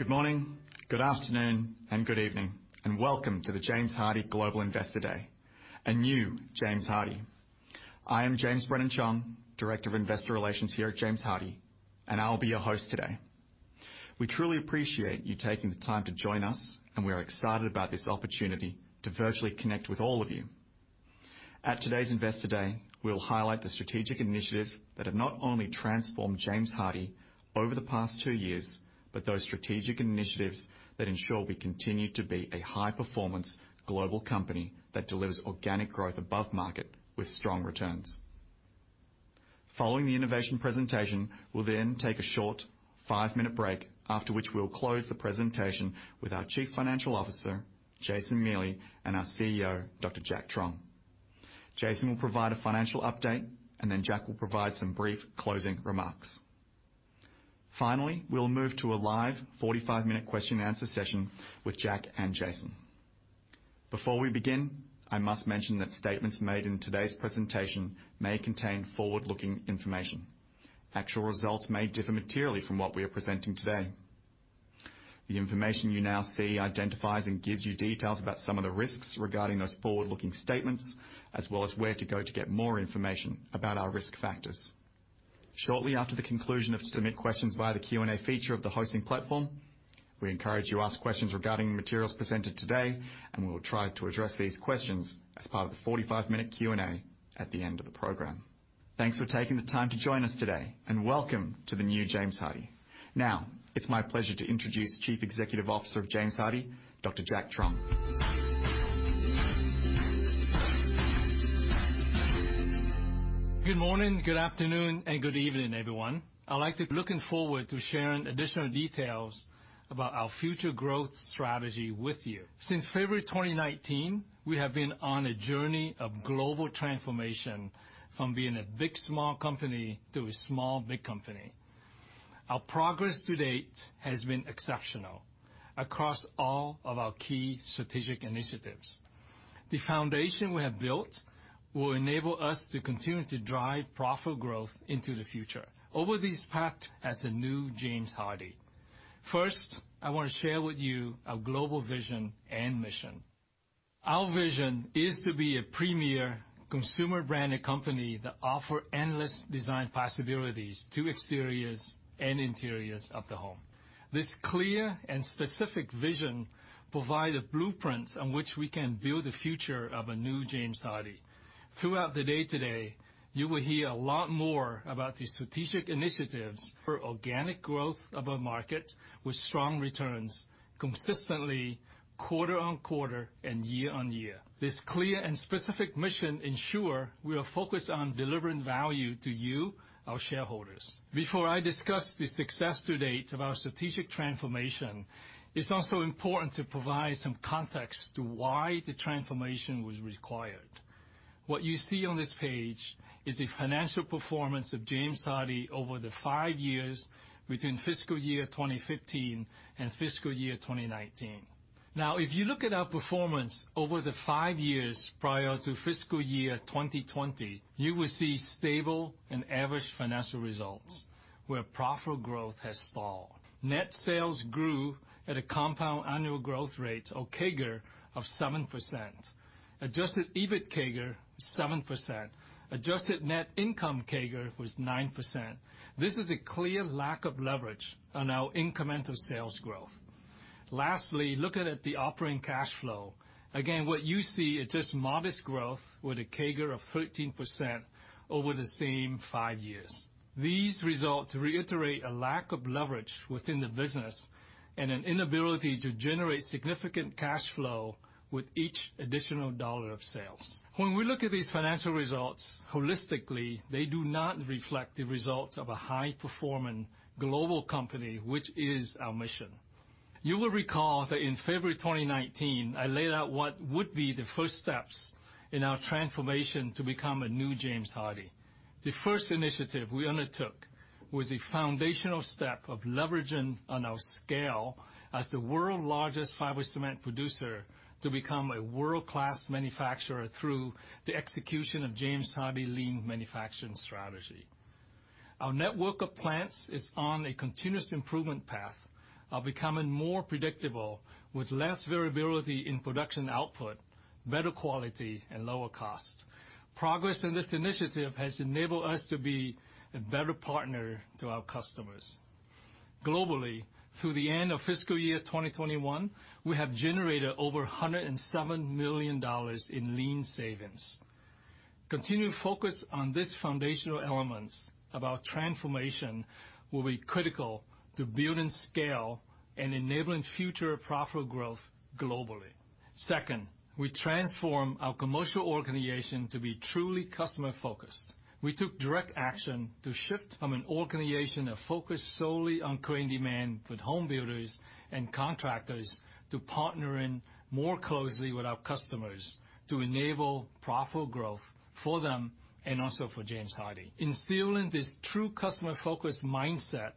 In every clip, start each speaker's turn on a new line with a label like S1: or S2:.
S1: Good morning, good afternoon, and good evening, and welcome to the James Hardie Global Investor Day, a new James Hardie. I am James Brennan-Chong, Director of Investor Relations here at James Hardie, and I'll be your host today. We truly appreciate you taking the time to join us, and we are excited about this opportunity to virtually connect with all of you. At today's Investor Day, we'll highlight the strategic initiatives that have not only transformed James Hardie over the past two years, but those strategic initiatives that ensure we continue to be a high-performance global company that delivers organic growth above market, with strong returns. Following the innovation presentation, we'll then take a short five-minute break, after which we'll close the presentation with our Chief Financial Officer, Jason Miele, and our CEO, Dr. Jack Truong. Jason will provide a financial update, and then Jack will provide some brief closing remarks. Finally, we'll move to a live forty-five-minute question and answer session with Jack and Jason. Before we begin, I must mention that statements made in today's presentation may contain forward-looking information. Actual results may differ materially from what we are presenting today. The information you now see identifies and gives you details about some of the risks regarding those forward-looking statements, as well as where to go to get more information about our risk factors. Shortly after the conclusion, to submit questions via the Q&A feature of the hosting platform, we encourage you to ask questions regarding the materials presented today, and we will try to address these questions as part of the forty-five-minute Q&A at the end of the program. Thanks for taking the time to join us today, and welcome to the new James Hardie. Now, it's my pleasure to introduce Chief Executive Officer of James Hardie, Dr. Jack Truong.
S2: Good morning, good afternoon, and good evening, everyone. I'd like to looking forward to sharing additional details about our future growth strategy with you. Since February 2019, we have been on a journey of global transformation, from being a big, small company to a small, big company. Our progress to date has been exceptional across all of our key strategic initiatives. The foundation we have built will enable us to continue to drive profitable growth into the future. Over this path as a new James Hardie. First, I want to share with you our global vision and mission. Our vision is to be a premier consumer branded company that offer endless design possibilities to exteriors and interiors of the home. This clear and specific vision provide a blueprint on which we can build a future of a new James Hardie. Throughout the day today, you will hear a lot more about the strategic initiatives for organic growth above market, with strong returns, consistently quarter on quarter and year-on-year. This clear and specific mission ensure we are focused on delivering value to you, our shareholders. Before I discuss the success to date of our strategic transformation, it's also important to provide some context to why the transformation was required. What you see on this page is the financial performance of James Hardie over the five years between fiscal year 2015 and fiscal year 2019. Now, if you look at our performance over the five years prior to fiscal year 2020 you will see stable and average financial results, where profitable growth has stalled. Net sales grew at a compound annual growth rate, or CAGR, of 7%. Adjusted EBIT CAGR, 7%. Adjusted net income CAGR was 9%. This is a clear lack of leverage on our incremental sales growth. Lastly, looking at the operating cash flow, again, what you see is just modest growth with a CAGR of 13% over the same five years. These results reiterate a lack of leverage within the business and an inability to generate significant cash flow with each additional dollar of sales. When we look at these financial results holistically, they do not reflect the results of a high-performing global company, which is our mission. You will recall that in February 2019, I laid out what would be the first steps in our transformation to become a new James Hardie. The first initiative we undertook was a foundational step of leveraging on our scale as the world's largest fiber cement producer, to become a world-class manufacturer through the execution of James Hardie Lean Manufacturing Strategy. Our network of plants is on a continuous improvement path of becoming more predictable, with less variability in production output, better quality, and lower cost. Progress in this initiative has enabled us to be a better partner to our customers. Globally, through the end of fiscal year 2021, we have generated over $107 million in lean savings. Continued focus on these foundational elements of our transformation will be critical to building scale and enabling future profitable growth globally. Second, we transform our commercial organization to be truly customer-focused. We took direct action to shift from an organization that focused solely on creating demand with home builders and contractors, to partnering more closely with our customers, to enable profitable growth for them and also for James Hardie. Instilling this true customer-focused mindset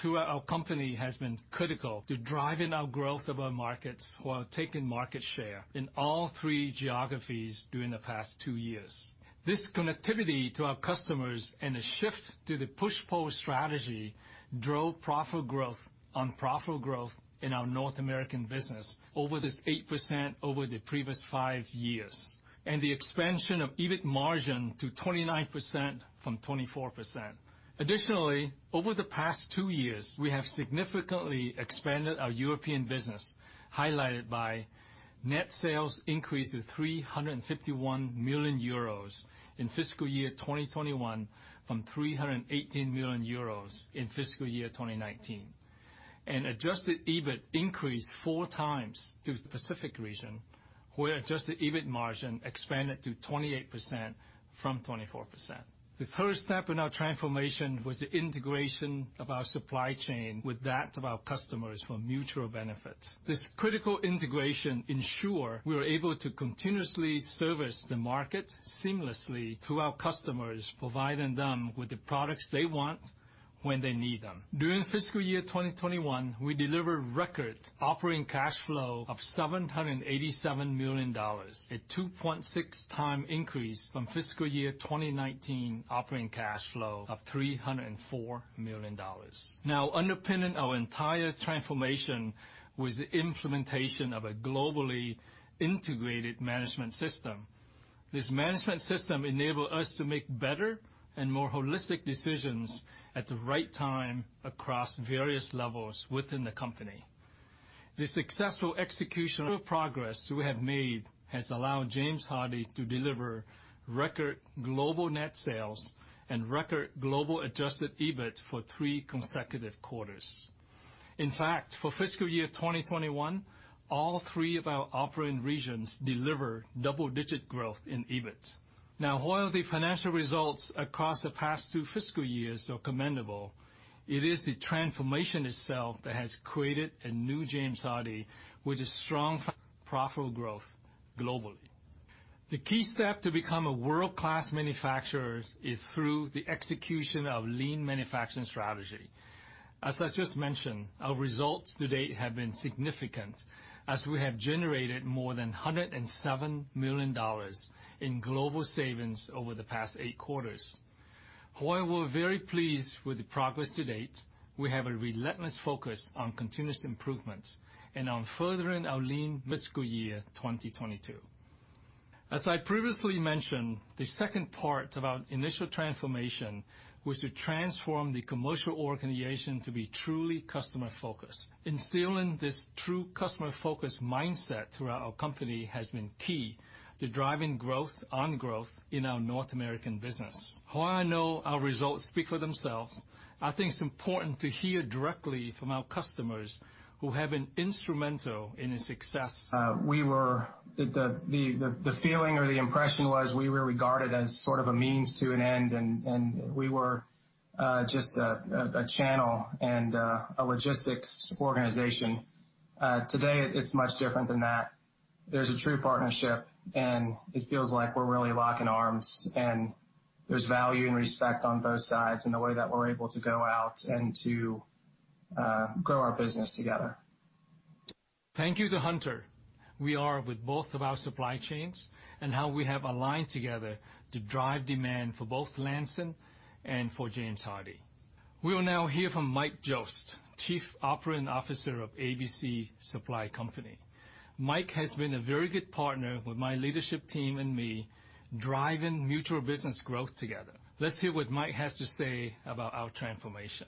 S2: throughout our company has been critical to driving our growth above markets, while taking market share in all three geographies during the past two years. This connectivity to our customers and a shift to the push-pull strategy drove profitable growth on profitable growth in our North American business over this 8% over the previous five years... and the expansion of EBIT margin to 29% from 24%. Additionally, over the past two years, we have significantly expanded our European business, highlighted by net sales increase of 351 million euros in fiscal year 2021, from 318 million euros in fiscal year 2019. And adjusted EBIT increased four times in the Asia Pacific region, where adjusted EBIT margin expanded to 28% from 24%. The third step in our transformation was the integration of our supply chain with that of our customers for mutual benefit. This critical integration ensure we are able to continuously service the market seamlessly to our customers, providing them with the products they want when they need them. During fiscal year 2021, we delivered record operating cash flow of $787 million, a 2.6 times increase from fiscal year 2019 operating cash flow of $304 million. Now, underpinning our entire transformation was the implementation of a globally integrated management system. This management system enables us to make better and more holistic decisions at the right time across various levels within the company. The successful execution of progress we have made has allowed James Hardie to deliver record global net sales and record global adjusted EBIT for three consecutive quarters. In fact, for fiscal year 2021, all three of our operating regions delivered double-digit growth in EBIT. Now, while the financial results across the past two fiscal years are commendable, it is the transformation itself that has created a new James Hardie, which is strong profitable growth globally. The key step to become a world-class manufacturer is through the execution of lean manufacturing strategy. As I just mentioned, our results to date have been significant, as we have generated more than $107 million in global savings over the past eight quarters. While we're very pleased with the progress to date, we have a relentless focus on continuous improvements and on furthering our lean fiscal year 2022. As I previously mentioned, the second part of our initial transformation was to transform the commercial organization to be truly customer-focused. Instilling this true customer-focused mindset throughout our company has been key to driving growth on growth in our North American business. While I know our results speak for themselves, I think it's important to hear directly from our customers who have been instrumental in its success.
S3: The feeling or the impression was we were regarded as sort of a means to an end, and we were just a channel and a logistics organization. Today, it's much different than that. There's a true partnership, and it feels like we're really locking arms, and there's value and respect on both sides in the way that we're able to go out and to grow our business together.
S2: Thank you to Hunter. We are with both of our supply chains and how we have aligned together to drive demand for both Lansing and for James Hardie. We will now hear from Mike Jost, Chief Operating Officer of ABC Supply Company. Mike has been a very good partner with my leadership team and me, driving mutual business growth together. Let's hear what Mike has to say about our transformation.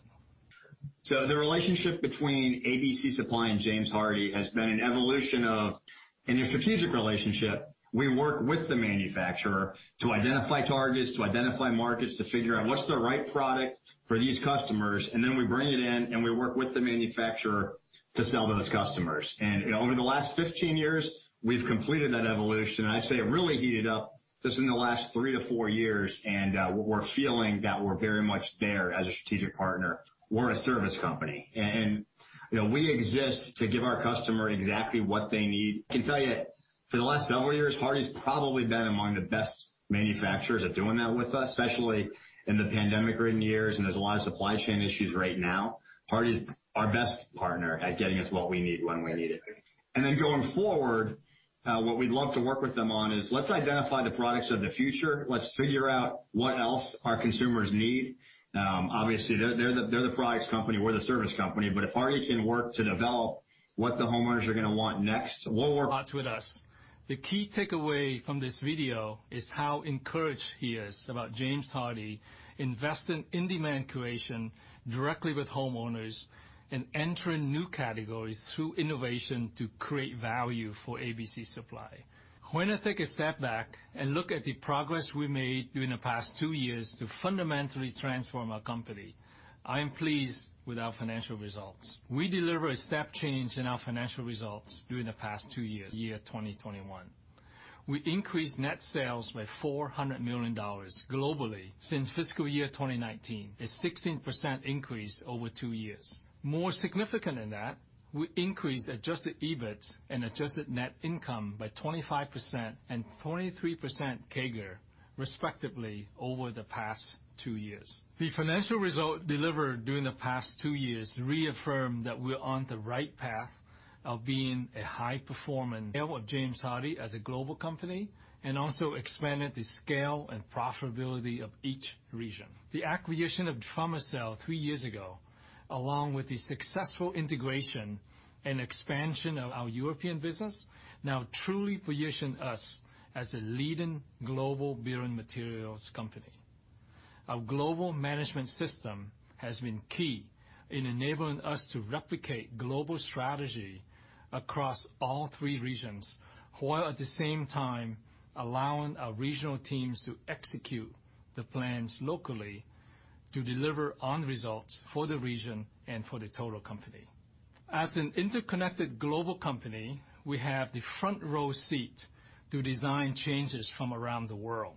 S4: So the relationship between ABC Supply and James Hardie has been an evolution of. In a strategic relationship, we work with the manufacturer to identify targets, to identify markets, to figure out what's the right product for these customers, and then we bring it in, and we work with the manufacturer to sell to those customers. And, you know, over the last fifteen years, we've completed that evolution, and I'd say it really heated up just in the last three to four years, and, we're feeling that we're very much there as a strategic partner. We're a service company, and, you know, we exist to give our customer exactly what they need. I can tell you, for the last several years, Hardie's probably been among the best manufacturers at doing that with us, especially in the pandemic-ridden years, and there's a lot of supply chain issues right now. Hardie is our best partner at getting us what we need, when we need it, and then going forward, what we'd love to work with them on is, let's identify the products of the future. Let's figure out what else our consumers need. Obviously, they're the products company, we're the service company, but if Hardie can work to develop what the homeowners are gonna want next, we'll work-
S2: With us. The key takeaway from this video is how encouraged he is about James Hardie investing in demand creation directly with homeowners and entering new categories through innovation to create value for ABC Supply. When I take a step back and look at the progress we made during the past two years to fundamentally transform our company, I am pleased with our financial results. We deliver a step change in our financial results during the past two years, year 2021. We increased net sales by $400 million globally since fiscal year 2019, a 16% increase over two years. More significant than that, we increased adjusted EBIT and adjusted net income by 25% and 23% CAGR, respectively, over the past two years. The financial result delivered during the past two years reaffirmed that we're on the right path of being a high-performing... Of James Hardie as a global company and also expanded the scale and profitability of each region. The acquisition of Fermacell three years ago, along with the successful integration and expansion of our European business, now truly position us as a leading global building materials company. Our global management system has been key in enabling us to replicate global strategy across all three regions, while at the same time, allowing our regional teams to execute the plans locally to deliver on results for the region and for the total company. As an interconnected global company, we have the front row seat to design changes from around the world.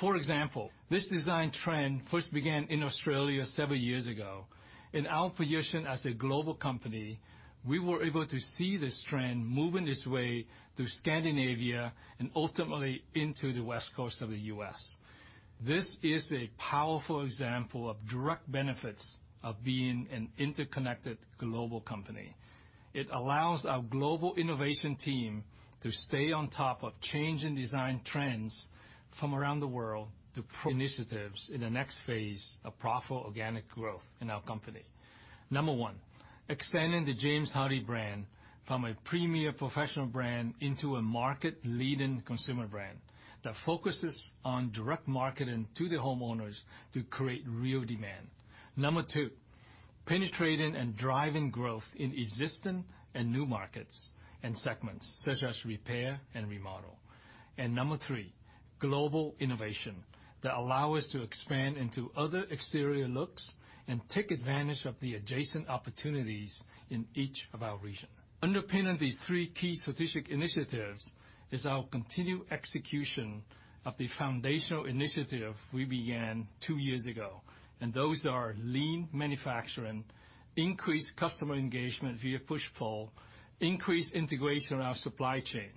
S2: For example, this design trend first began in Australia several years ago. In our position as a global company, we were able to see this trend moving its way through Scandinavia and ultimately into the West Coast of the U.S. This is a powerful example of direct benefits of being an interconnected global company. It allows our global innovation team to stay on top of changing design trends from around the world to promote initiatives in the next phase of profitable organic growth in our company. Number one, extending the James Hardie brand from a premier professional brand into a market-leading consumer brand, that focuses on direct marketing to the homeowners to create real demand. Number two, penetrating and driving growth in existing and new markets and segments, such as repair and remodel. And number three, global innovation, that allow us to expand into other exterior looks and take advantage of the adjacent opportunities in each of our region. Underpinning these three key strategic initiatives is our continued execution of the foundational initiative we began two years ago, and those are lean manufacturing, increased customer engagement via push/pull, increased integration of our supply chain.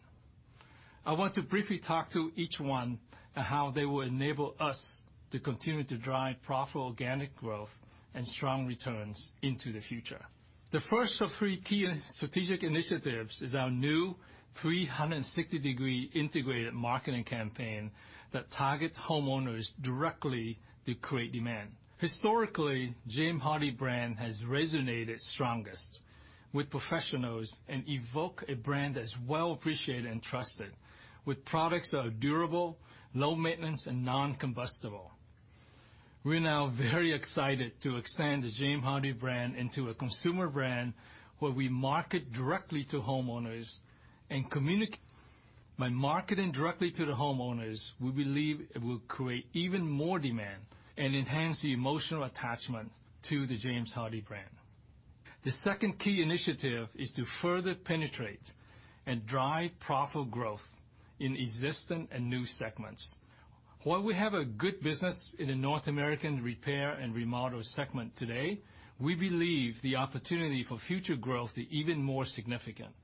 S2: I want to briefly talk to each one on how they will enable us to continue to drive profitable organic growth and strong returns into the future. The first of three key strategic initiatives is our new 360-degree integrated marketing campaign, that targets homeowners directly to create demand. Historically, James Hardie brand has resonated strongest with professionals, and evoke a brand that's well appreciated and trusted, with products that are durable, low maintenance, and non-combustible. We're now very excited to expand the James Hardie brand into a consumer brand, where we market directly to homeowners and communicate. By marketing directly to the homeowners, we believe it will create even more demand and enhance the emotional attachment to the James Hardie brand. The second key initiative is to further penetrate and drive profitable growth in existing and new segments. While we have a good business in the North American repair and remodel segment today, we believe the opportunity for future growth is even more significant.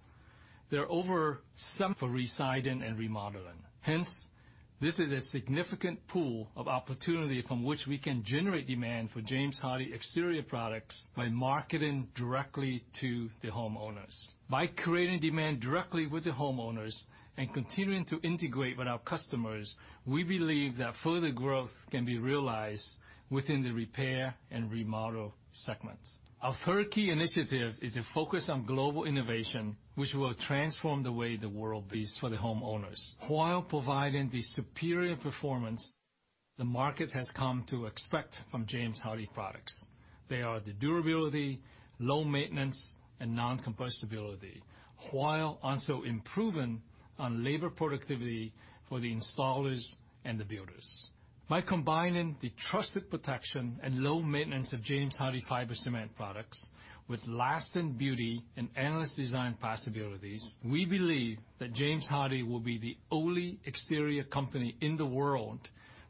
S2: There are over 140 million homes for re-siding and remodeling. Hence, this is a significant pool of opportunity from which we can generate demand for James Hardie exterior products by marketing directly to the homeowners. By creating demand directly with the homeowners and continuing to integrate with our customers, we believe that further growth can be realized within the repair and remodel segments. Our third key initiative is a focus on global innovation, which will transform the way the world is for the homeowners. While providing the superior performance the market has come to expect from James Hardie products, they are the durability, low maintenance, and non-combustibility, while also improving on labor productivity for the installers and the builders. By combining the trusted protection and low maintenance of James Hardie fiber cement products with lasting beauty and endless design possibilities, we believe that James Hardie will be the only exterior company in the world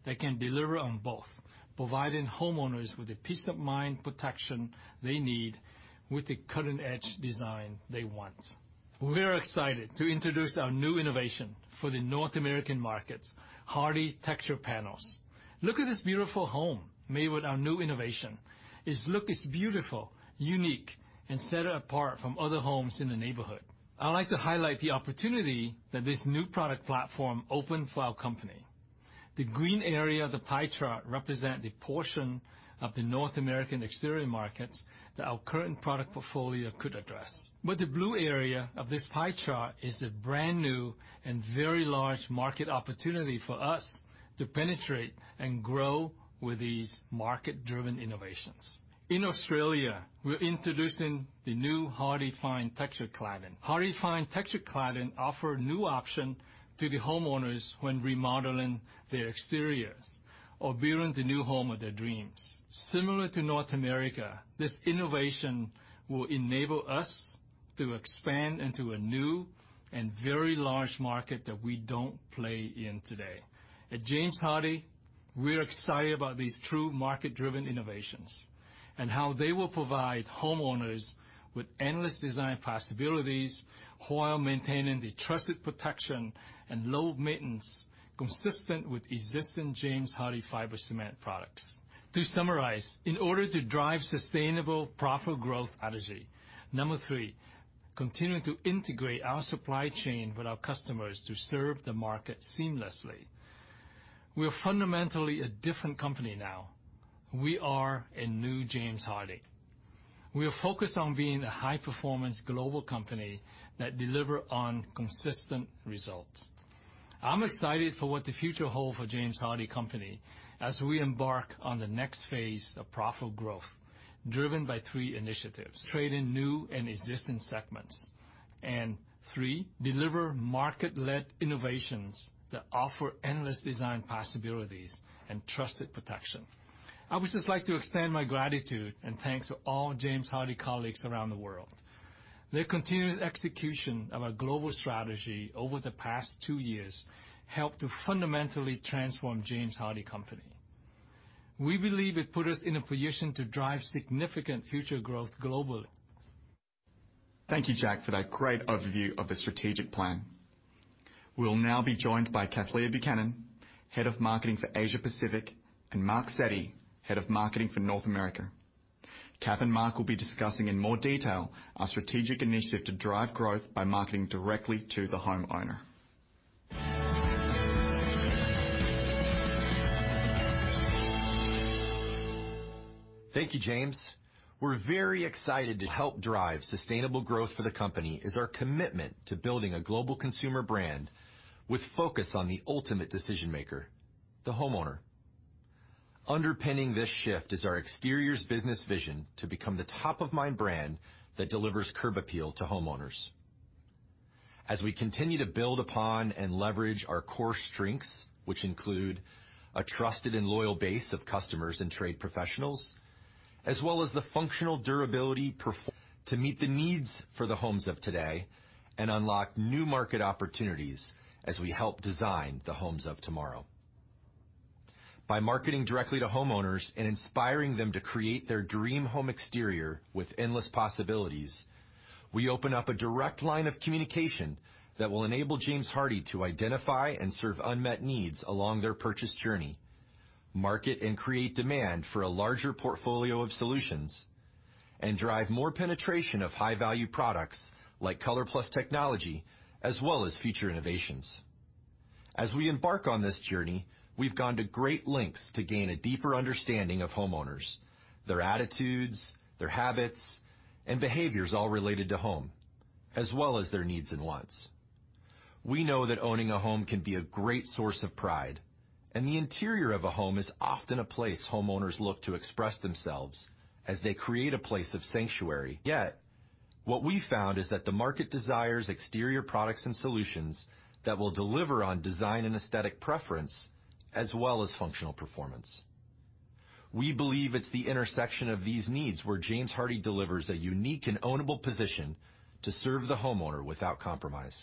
S2: that can deliver on both, providing homeowners with the peace-of-mind protection they need, with the cutting-edge design they want. We are excited to introduce our new innovation for the North American markets, Hardie Textured Panels. Look at this beautiful home made with our new innovation. Its look is beautiful, unique, and set apart from other homes in the neighborhood. I'd like to highlight the opportunity that this new product platform opens for our company. The green area of the pie chart represent the portion of the North American exterior markets that our current product portfolio could address. But the blue area of this pie chart is a brand-new and very large market opportunity for us to penetrate and grow with these market-driven innovations. In Australia, we're introducing the new Hardie Fine Texture Cladding. Hardie Fine Texture Cladding offer a new option to the homeowners when remodeling their exteriors or building the new home of their dreams. Similar to North America, this innovation will enable us to expand into a new and very large market that we don't play in today. At James Hardie, we're excited about these true market-driven innovations, and how they will provide homeowners with endless design possibilities while maintaining the trusted protection and low maintenance consistent with existing James Hardie fiber cement products. To summarize, in order to drive sustainable, profitable growth strategy, number three, continuing to integrate our supply chain with our customers to serve the market seamlessly. We are fundamentally a different company now. We are a new James Hardie.... We are focused on being a high-performance global company that deliver on consistent results. I'm excited for what the future hold for James Hardie Company as we embark on the next phase of profitable growth, driven by three initiatives: trade in new and existing segments, and three, deliver market-led innovations that offer endless design possibilities and trusted protection. I would just like to extend my gratitude and thanks to all James Hardie colleagues around the world. Their continuous execution of our global strategy over the past two years helped to fundamentally transform James Hardie. We believe it put us in a position to drive significant future growth globally.
S1: Thank you, Jack, for that great overview of the strategic plan. We'll now be joined by Cathleya Buchanan, Head of Marketing for Asia Pacific, and Marc Setty, Head of Marketing for North America. Cath and Mark will be discussing in more detail our strategic initiative to drive growth by marketing directly to the homeowner.
S5: Thank you, James. We're very excited to help drive sustainable growth for the company. It is our commitment to building a global consumer brand with focus on the ultimate decision maker, the homeowner. Underpinning this shift is our exteriors business vision to become the top-of-mind brand that delivers curb appeal to homeowners. As we continue to build upon and leverage our core strengths, which include a trusted and loyal base of customers and trade professionals, as well as the functional durability to meet the needs for the homes of today and unlock new market opportunities as we help design the homes of tomorrow. By marketing directly to homeowners and inspiring them to create their dream home exterior with endless possibilities, we open up a direct line of communication that will enable James Hardie to identify and serve unmet needs along their purchase journey, market and create demand for a larger portfolio of solutions, and drive more penetration of high-value products like ColorPlus Technology, as well as future innovations. As we embark on this journey, we've gone to great lengths to gain a deeper understanding of homeowners, their attitudes, their habits, and behaviors, all related to home, as well as their needs and wants. We know that owning a home can be a great source of pride, and the interior of a home is often a place homeowners look to express themselves as they create a place of sanctuary. Yet, what we found is that the market desires exterior products and solutions that will deliver on design and aesthetic preference, as well as functional performance. We believe it's the intersection of these needs where James Hardie delivers a unique and ownable position to serve the homeowner without compromise.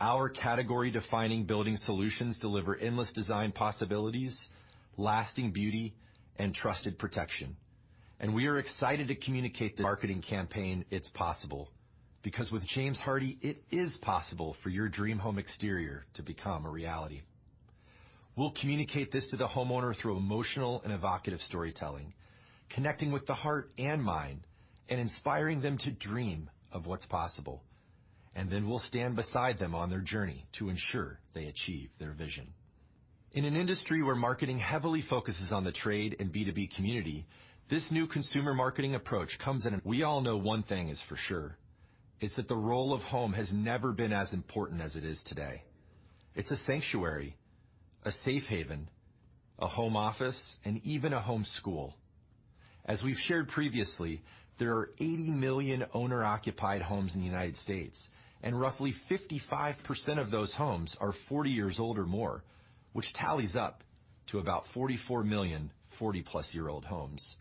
S5: Our category-defining building solutions deliver endless design possibilities, lasting beauty, and trusted protection, and we are excited to communicate the marketing campaign, It's Possible, because with James Hardie, it is possible for your dream home exterior to become a reality. We'll communicate this to the homeowner through emotional and evocative storytelling, connecting with the heart and mind, and inspiring them to dream of what's possible, and then we'll stand beside them on their journey to ensure they achieve their vision. In an industry where marketing heavily focuses on the trade and B2B community, this new consumer marketing approach comes in. We all know one thing is for sure, that the role of home has never been as important as it is today. It's a sanctuary, a safe haven, a home office, and even a home school. As we've shared previously, there are 80 million owner-occupied homes in the United States, and roughly 55% of those homes are 40 years old or more, which tallies up to about 44 million 40-plus-year-old homes.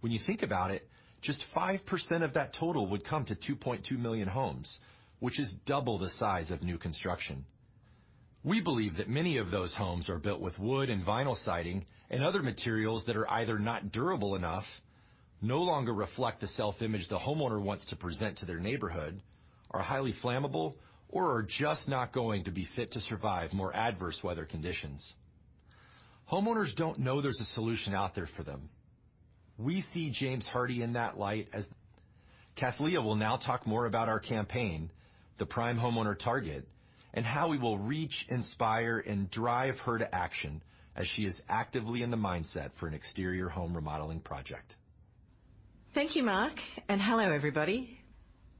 S5: When you think about it, just 5% of that total would come to 2.2 million homes, which is double the size of new construction. We believe that many of those homes are built with wood and vinyl siding and other materials that are either not durable enough, no longer reflect the self-image the homeowner wants to present to their neighborhood, are highly flammable, or are just not going to be fit to survive more adverse weather conditions. Homeowners don't know there's a solution out there for them. We see James Hardie in that light as... Cathleya will now talk more about our campaign, the Prime Homeowner Target, and how we will reach, inspire, and drive her to action as she is actively in the mindset for an exterior home remodeling project.
S6: Thank you, Mark, and hello, everybody.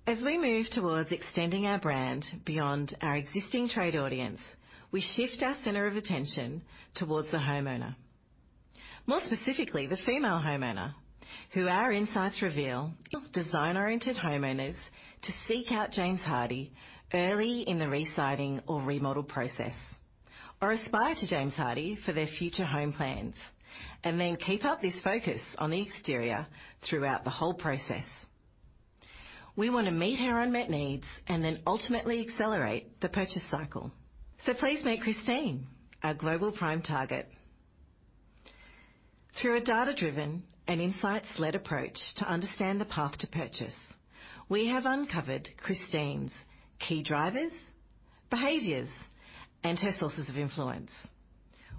S6: As we move towards extending our brand beyond our existing trade audience, we shift our center of attention towards the homeowner. More specifically, the female homeowner, who our insights reveal design-oriented homeowners to seek out James Hardie early in the re-siding or remodel process, or aspire to James Hardie for their future home plans, and then keep up this focus on the exterior throughout the whole process. We want to meet her unmet needs and then ultimately accelerate the purchase cycle. So please meet Christine, our global prime target. Through a data-driven and insights-led approach to understand the path to purchase, we have uncovered Christine's key drivers, behaviors, and her sources of influence.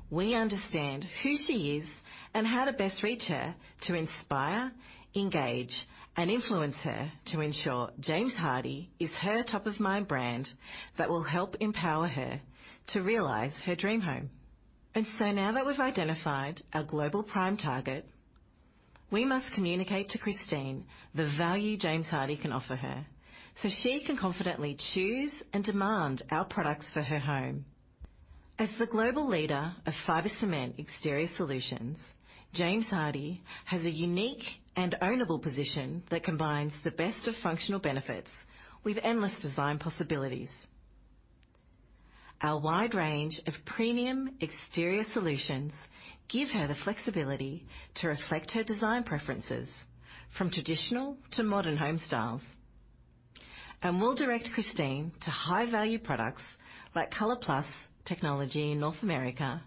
S6: We understand who she is and how to best reach her to inspire, engage, and influence her to ensure James Hardie is her top-of-mind brand that will help empower her to realize her dream home. And so now that we've identified our global prime target, we must communicate to Christine the value James Hardie can offer her, so she can confidently choose and demand our products for her home. As the global leader of fiber cement exterior solutions, James Hardie has a unique and ownable position that combines the best of functional benefits with endless design possibilities. Our wide range of premium exterior solutions give her the flexibility to reflect her design preferences, from traditional to modern home styles. We'll direct Christine to high-value products like ColorPlus Technology in North America,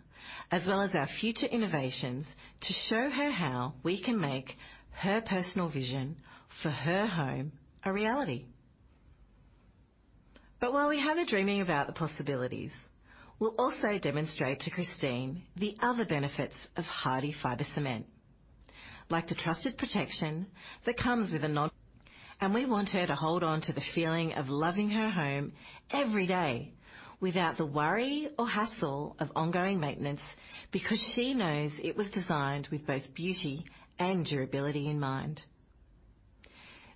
S6: as well as our future innovations, to show her how we can make her personal vision for her home a reality. But while we have her dreaming about the possibilities, we'll also demonstrate to Christine the other benefits of Hardie Fiber Cement, like the trusted protection that comes with a non-- And we want her to hold on to the feeling of loving her home every day, without the worry or hassle of ongoing maintenance, because she knows it was designed with both beauty and durability in mind.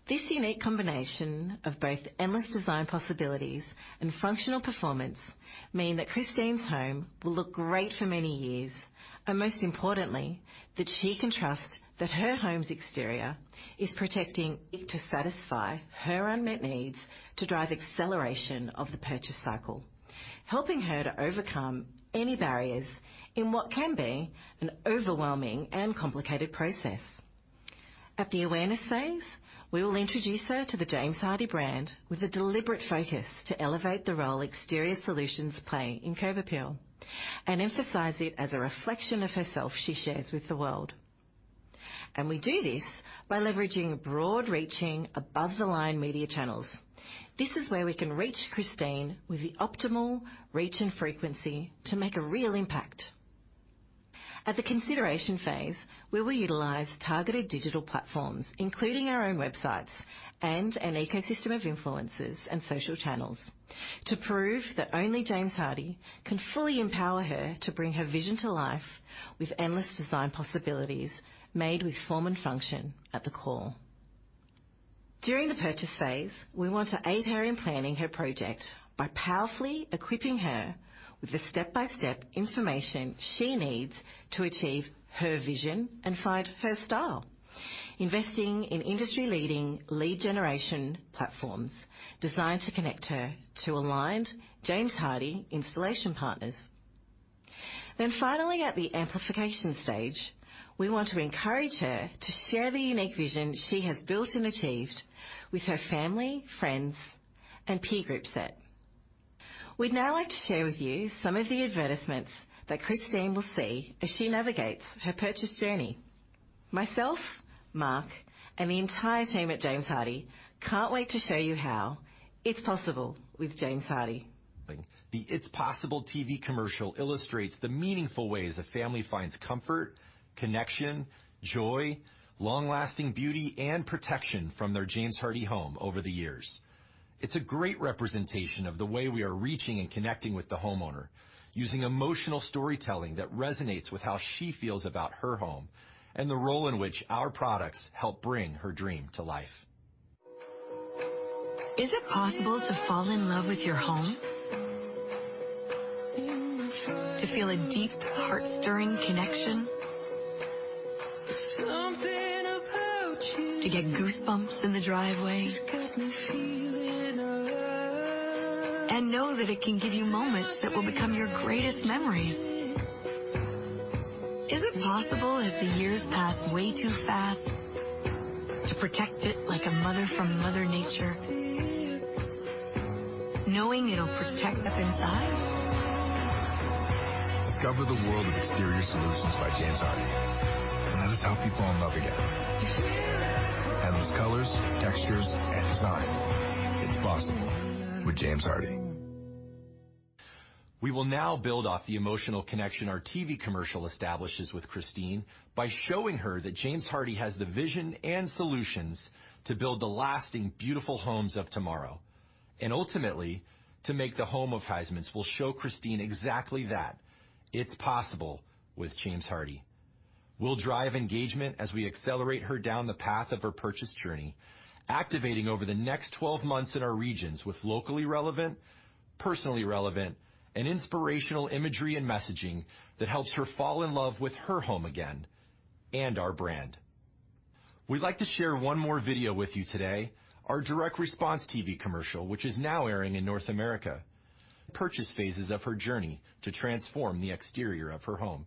S6: This unique combination of both endless design possibilities and functional performance mean that Christine's home will look great for many years, and most importantly, that she can trust that her home's exterior is protecting it to satisfy her unmet needs to drive acceleration of the purchase cycle, helping her to overcome any barriers in what can be an overwhelming and complicated process. At the awareness phase, we will introduce her to the James Hardie brand with a deliberate focus to elevate the role exterior solutions play in curb appeal and emphasize it as a reflection of herself she shares with the world. And we do this by leveraging broad-reaching, above-the-line media channels. This is where we can reach Christine with the optimal reach and frequency to make a real impact. At the consideration phase, we will utilize targeted digital platforms, including our own websites and an ecosystem of influencers and social channels, to prove that only James Hardie can fully empower her to bring her vision to life with endless design possibilities, made with form and function at the core. During the purchase phase, we want to aid her in planning her project by powerfully equipping her with the step-by-step information she needs to achieve her vision and find her style, investing in industry-leading lead generation platforms designed to connect her to aligned James Hardie installation partners. Then finally, at the amplification stage, we want to encourage her to share the unique vision she has built and achieved with her family, friends, and peer group set. We'd now like to share with you some of the advertisements that Christine will see as she navigates her purchase journey. Myself, Mark, and the entire team at James Hardie can't wait to show you how it's possible with James Hardie.
S5: The It's Possible TV commercial illustrates the meaningful ways a family finds comfort, connection, joy, long-lasting beauty, and protection from their James Hardie home over the years. It's a great representation of the way we are reaching and connecting with the homeowner, using emotional storytelling that resonates with how she feels about her home and the role in which our products help bring her dream to life.
S7: Is it possible to fall in love with your home? To feel a deep, heart-stirring connection? Something about you. To get goosebumps in the driveway? Got me feeling alive. And know that it can give you moments that will become your greatest memories. Is it possible, as the years pass way too fast, to protect it like a mother from Mother Nature, knowing it'll protect us inside? Discover the world of exterior solutions by James Hardie. This is how people fall in love again. Endless colors, textures, and design. It's possible with James Hardie.
S5: We will now build off the emotional connection our TV commercial establishes with Christine by showing her that James Hardie has the vision and solutions to build the lasting, beautiful homes of tomorrow, and ultimately, to make the home of her dreams, we'll show Christine exactly that: It's possible with James Hardie. We'll drive engagement as we accelerate her down the path of her purchase journey, activating over the next twelve months in our regions with locally relevant, personally relevant, and inspirational imagery and messaging that helps her fall in love with her home again and our brand. We'd like to share one more video with you today, our direct response TV commercial, which is now airing in North America. Purchase phases of her journey to transform the exterior of her home.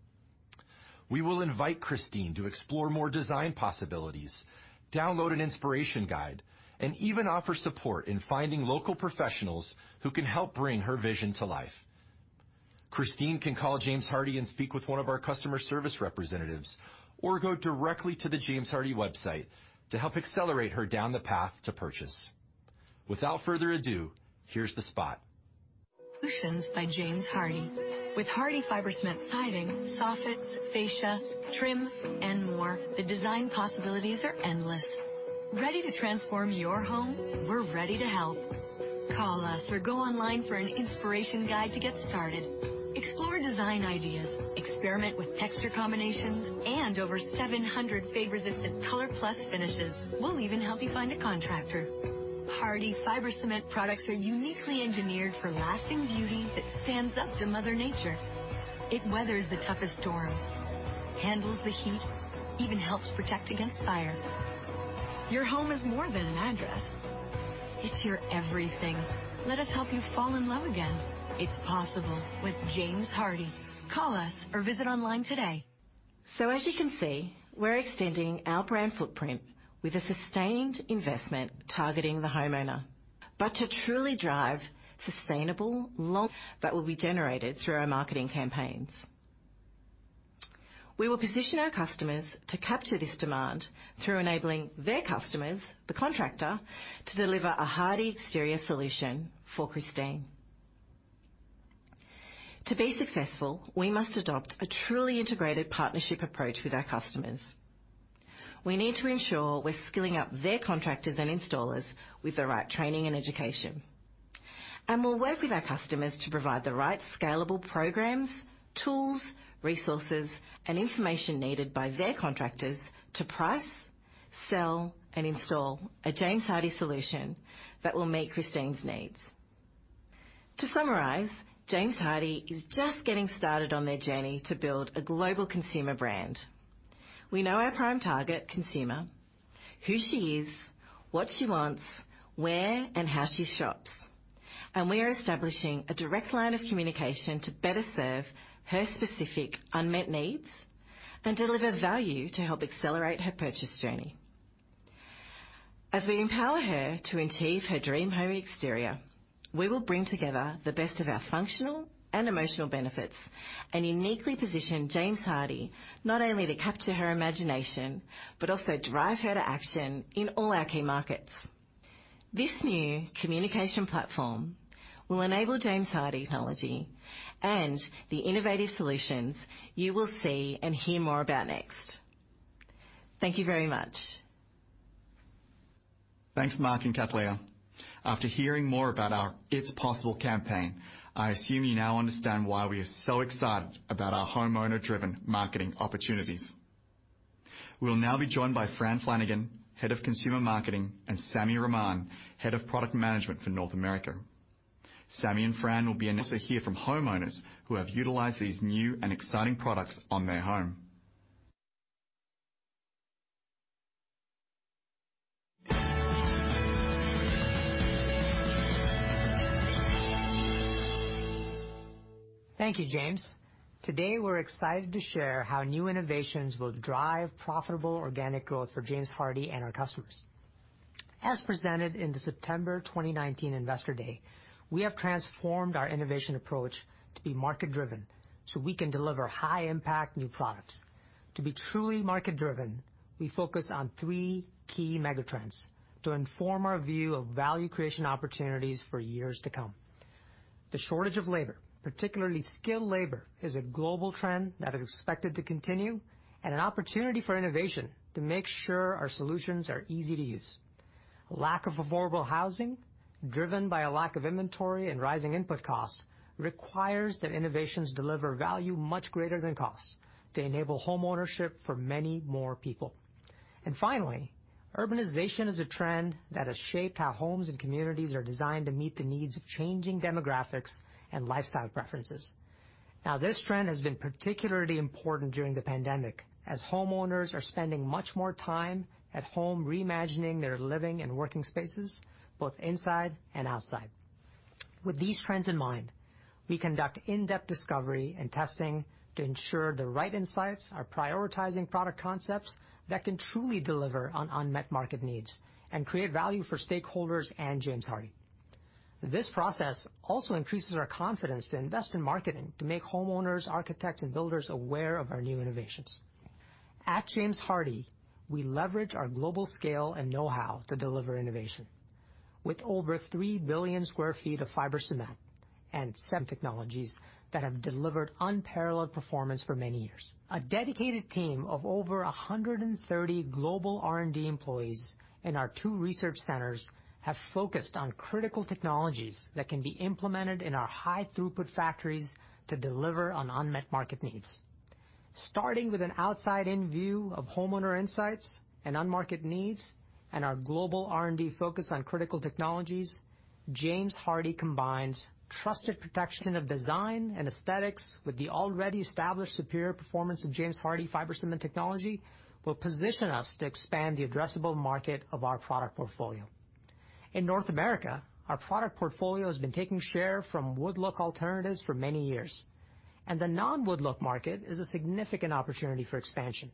S5: We will invite Christine to explore more design possibilities, download an inspiration guide, and even offer support in finding local professionals who can help bring her vision to life. Christine can call James Hardie and speak with one of our customer service representatives, or go directly to the James Hardie website to help accelerate her down the path to purchase. Without further ado, here's the spot.
S7: Solutions by James Hardie. With Hardie Fiber Cement siding, soffits, fascia, trims, and more, the design possibilities are endless... Ready to transform your home? We're ready to help. Call us or go online for an inspiration guide to get started. Explore design ideas, experiment with texture combinations, and over seven hundred fade-resistant ColorPlus finishes. We'll even help you find a contractor. Hardie Fiber Cement products are uniquely engineered for lasting beauty that stands up to Mother Nature. It weathers the toughest storms, handles the heat, even helps protect against fire. Your home is more than an address, it's your everything. Let us help you fall in love again. It's possible with James Hardie. Call us or visit online today.
S6: So as you can see, we're extending our brand footprint with a sustained investment targeting the homeowner. But to truly drive sustainable. That will be generated through our marketing campaigns. We will position our customers to capture this demand through enabling their customers, the contractor, to deliver a Hardie exterior solution for Christine. To be successful, we must adopt a truly integrated partnership approach with our customers. We need to ensure we're skilling up their contractors and installers with the right training and education. And we'll work with our customers to provide the right scalable programs, tools, resources, and information needed by their contractors to price, sell, and install a James Hardie solution that will meet Christine's needs. To summarize, James Hardie is just getting started on their journey to build a global consumer brand. We know our prime target consumer, who she is, what she wants, where and how she shops, and we are establishing a direct line of communication to better serve her specific unmet needs and deliver value to help accelerate her purchase journey. As we empower her to achieve her dream home exterior, we will bring together the best of our functional and emotional benefits, and uniquely position James Hardie not only to capture her imagination, but also drive her to action in all our key markets. This new communication platform will enable James Hardie technology and the innovative solutions you will see and hear more about next. Thank you very much.
S1: Thanks, Mark and Cathleya. After hearing more about our It's Possible campaign, I assume you now understand why we are so excited about our homeowner-driven marketing opportunities. We'll now be joined by Fran Flanagan, Head of Consumer Marketing, and Sami Rahman, Head of Product Management for North America. Sami and Fran will be in, and we'll also hear from homeowners who have utilized these new and exciting products on their home.
S8: Thank you, James. Today, we're excited to share how new innovations will drive profitable organic growth for James Hardie and our customers. As presented in the September 2019 Investor Day, we have transformed our innovation approach to be market driven so we can deliver high-impact new products. To be truly market driven, we focus on three key megatrends to inform our view of value creation opportunities for years to come. The shortage of labor, particularly skilled labor, is a global trend that is expected to continue, and an opportunity for innovation to make sure our solutions are easy to use. Lack of affordable housing, driven by a lack of inventory and rising input costs, requires that innovations deliver value much greater than costs to enable homeownership for many more people. Finally, urbanization is a trend that has shaped how homes and communities are designed to meet the needs of changing demographics and lifestyle preferences. Now, this trend has been particularly important during the pandemic, as homeowners are spending much more time at home reimagining their living and working spaces, both inside and outside. With these trends in mind, we conduct in-depth discovery and testing to ensure the right insights are prioritizing product concepts that can truly deliver on unmet market needs and create value for stakeholders and James Hardie. This process also increases our confidence to invest in marketing, to make homeowners, architects, and builders aware of our new innovations. At James Hardie, we leverage our global scale and know-how to deliver innovation. With over three billion sq ft of fiber cement and cement technologies that have delivered unparalleled performance for many years. A dedicated team of over a hundred and thirty global R&D employees in our two research centers have focused on critical technologies that can be implemented in our high-throughput factories to deliver on unmet market needs. Starting with an outside-in view of homeowner insights and unmet market needs, and our global R&D focus on critical technologies, James Hardie combines trusted protection of design and aesthetics with the already established superior performance of James Hardie fiber cement technology, will position us to expand the addressable market of our product portfolio. In North America, our product portfolio has been taking share from wood look alternatives for many years, and the non-wood look market is a significant opportunity for expansion.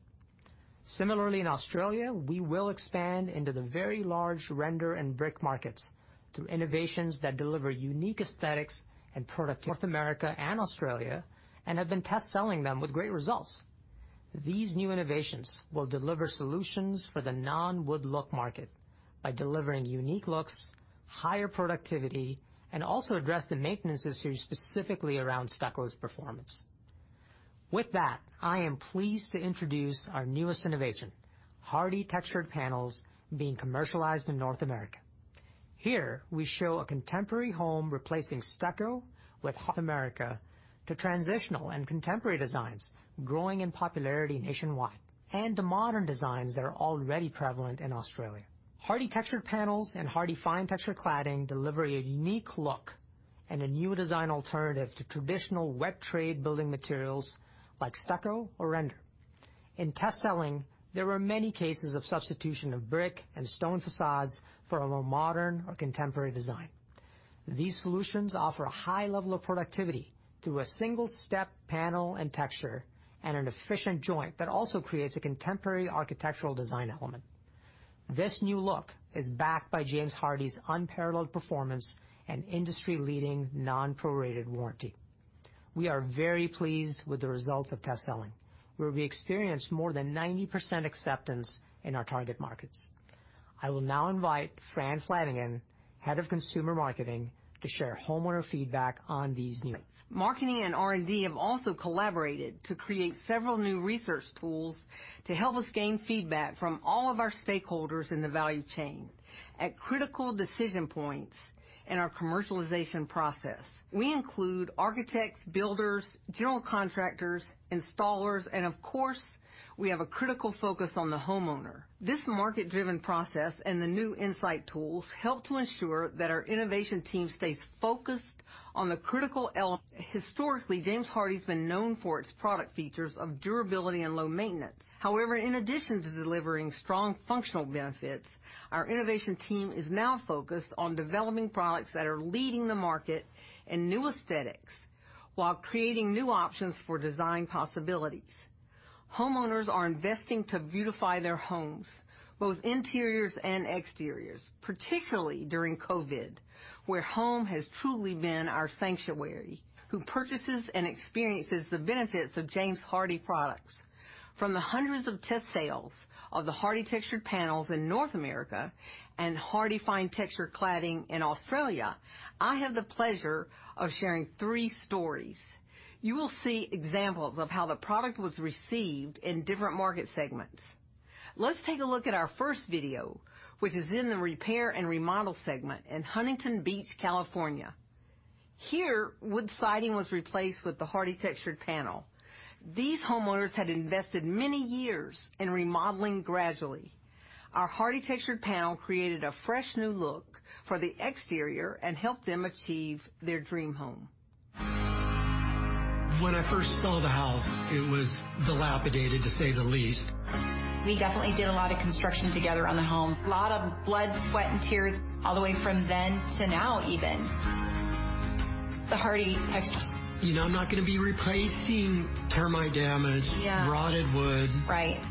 S8: Similarly, in Australia, we will expand into the very large render and brick markets through innovations that deliver unique aesthetics and products. North America and Australia, and have been test selling them with great results. These new innovations will deliver solutions for the non-wood look market by delivering unique looks, higher productivity, and also address the maintenance issues specifically around stucco's performance. With that, I am pleased to introduce our newest innovation, Hardie Textured Panels being commercialized in North America. Here, we show a contemporary home replacing stucco with North America to transitional and contemporary designs growing in popularity nationwide, and the modern designs that are already prevalent in Australia. Hardie Textured Panels and Hardie Fine Texture Cladding deliver a unique look and a new design alternative to traditional wet trade building materials like stucco or render. In test selling, there were many cases of substitution of brick and stone facades for a more modern or contemporary design. These solutions offer a high level of productivity through a single step panel and texture and an efficient joint that also creates a contemporary architectural design element. This new look is backed by James Hardie's unparalleled performance and industry-leading non-prorated warranty. We are very pleased with the results of test selling, where we experienced more than 90% acceptance in our target markets. I will now invite Fran Flanagan, Head of Consumer Marketing, to share homeowner feedback on these units.
S9: Marketing and R&D have also collaborated to create several new research tools to help us gain feedback from all of our stakeholders in the value chain at critical decision points in our commercialization process. We include architects, builders, general contractors, installers, and of course, we have a critical focus on the homeowner. This market-driven process and the new insight tools help to ensure that our innovation team stays focused on the critical elements. Historically, James Hardie's been known for its product features of durability and low maintenance. However, in addition to delivering strong functional benefits, our innovation team is now focused on developing products that are leading the market in new aesthetics while creating new options for design possibilities. Homeowners are investing to beautify their homes, both interiors and exteriors, particularly during COVID, where home has truly been our sanctuary, who purchases and experiences the benefits of James Hardie products. From the hundreds of test sales of the Hardie Textured Panels in North America and Hardie Fine Texture Cladding in Australia, I have the pleasure of sharing three stories. You will see examples of how the product was received in different market segments. Let's take a look at our first video, which is in the repair and remodel segment in Huntington Beach, California. Here, wood siding was replaced with the Hardie Texture Panel. These homeowners had invested many years in remodeling gradually. Our Hardie Texture Panel created a fresh, new look for the exterior and helped them achieve their dream home.
S7: When I first saw the house, it was dilapidated, to say the least. We definitely did a lot of construction together on the home. A lot of blood, sweat, and tears all the way from then to now, even. The Hardie Texture...You know, I'm not going to be replacing termite damage-Yeah-rotted wood. Right.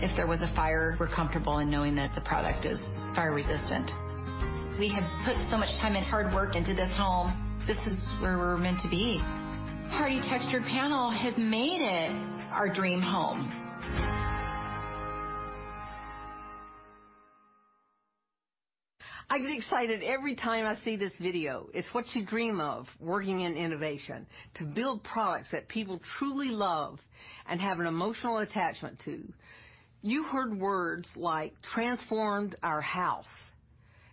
S7: If there was a fire, we're comfortable in knowing that the product is fire resistant. We have put so much time and hard work into this home. This is where we're meant to be. Hardie Textured Panels has made it our dream home.
S9: I get excited every time I see this video. It's what you dream of working in innovation, to build products that people truly love and have an emotional attachment to. You heard words like, "Transformed our house."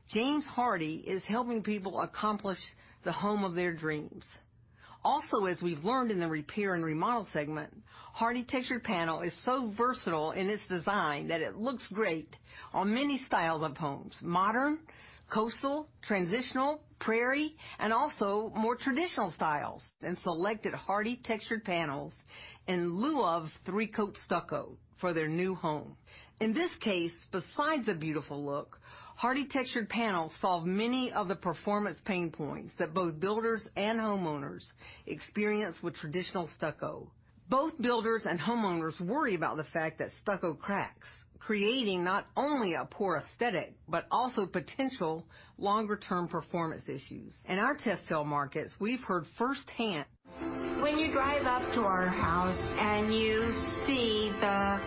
S9: James Hardie is helping people accomplish the home of their dreams. Also, as we've learned in the repair and remodel segment, Hardie Texture Panel is so versatile in its design that it looks great on many styles of homes: modern, coastal, transitional, prairie, and also more traditional styles, and selected Hardie Textured Panels in lieu of three-coat stucco for their new home. In this case, besides the beautiful look, Hardie Texture Panel solved many of the performance pain points that both builders and homeowners experience with traditional stucco. Both builders and homeowners worry about the fact that stucco cracks, creating not only a poor aesthetic, but also potential longer-term performance issues. In our test sales markets, we've heard firsthand.
S7: When you drive up to our house and you see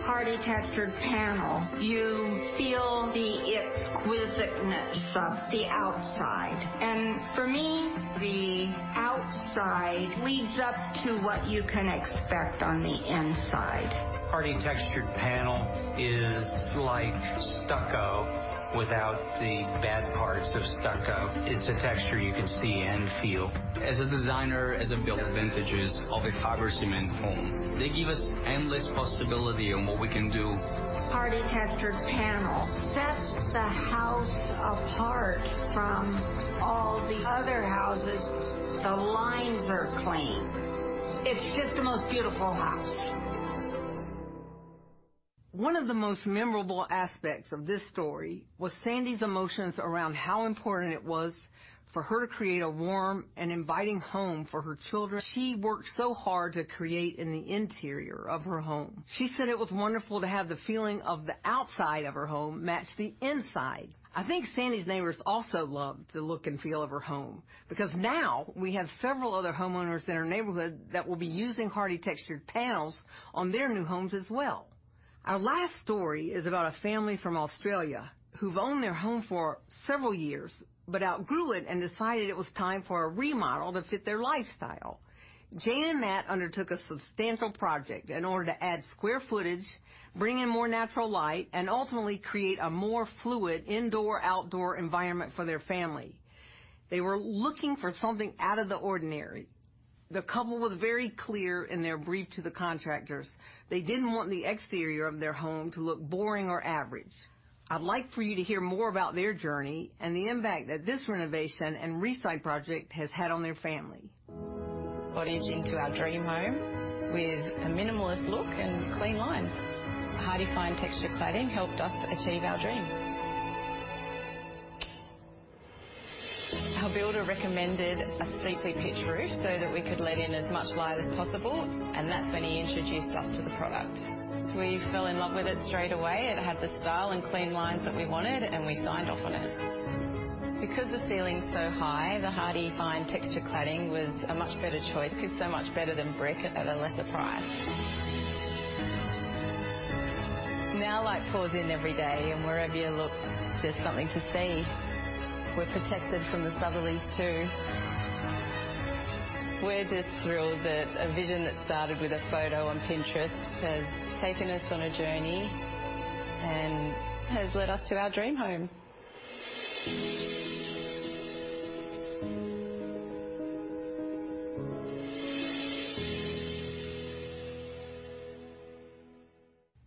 S7: the Hardie Texture Panel, you feel the exquisiteness of the outside, and for me, the outside leads up to what you can expect on the inside. Hardie Texture Panel is like stucco without the bad parts of stucco. It's a texture you can see and feel. As a designer, as a builder, advantages of a fiber cement home, they give us endless possibility on what we can do. Hardie Texture Panel sets the house apart from all the other houses. The lines are clean. It's just the most beautiful house!
S9: One of the most memorable aspects of this story was Sandy's emotions around how important it was for her to create a warm and inviting home for her children. She worked so hard to create in the interior of her home. She said it was wonderful to have the feeling of the outside of her home match the inside. I think Sandy's neighbors also loved the look and feel of her home, because now we have several other homeowners in her neighborhood that will be using Hardie Textured Panels on their new homes as well. Our last story is about a family from Australia who've owned their home for several years, but outgrew it and decided it was time for a remodel to fit their lifestyle. Jane and Matt undertook a substantial project in order to add square footage, bring in more natural light, and ultimately create a more fluid indoor-outdoor environment for their family. They were looking for something out of the ordinary. The couple was very clear in their brief to the contractors. They didn't want the exterior of their home to look boring or average. I'd like for you to hear more about their journey and the impact that this renovation and siding project has had on their family.
S7: Cottage into our dream home with a minimalist look and clean lines. Hardie Fine Texture Cladding helped us achieve our dream. Our builder recommended a steeply pitched roof so that we could let in as much light as possible, and that's when he introduced us to the product. So we fell in love with it straight away. It had the style and clean lines that we wanted, and we signed off on it. Because the ceiling's so high, the Hardie Fine Texture Cladding was a much better choice, because it's so much better than brick at a lesser price. Now, light pours in every day, and wherever you look, there's something to see. We're protected from the southerlies, too. We're just thrilled that a vision that started with a photo on Pinterest has taken us on a journey and has led us to our dream home.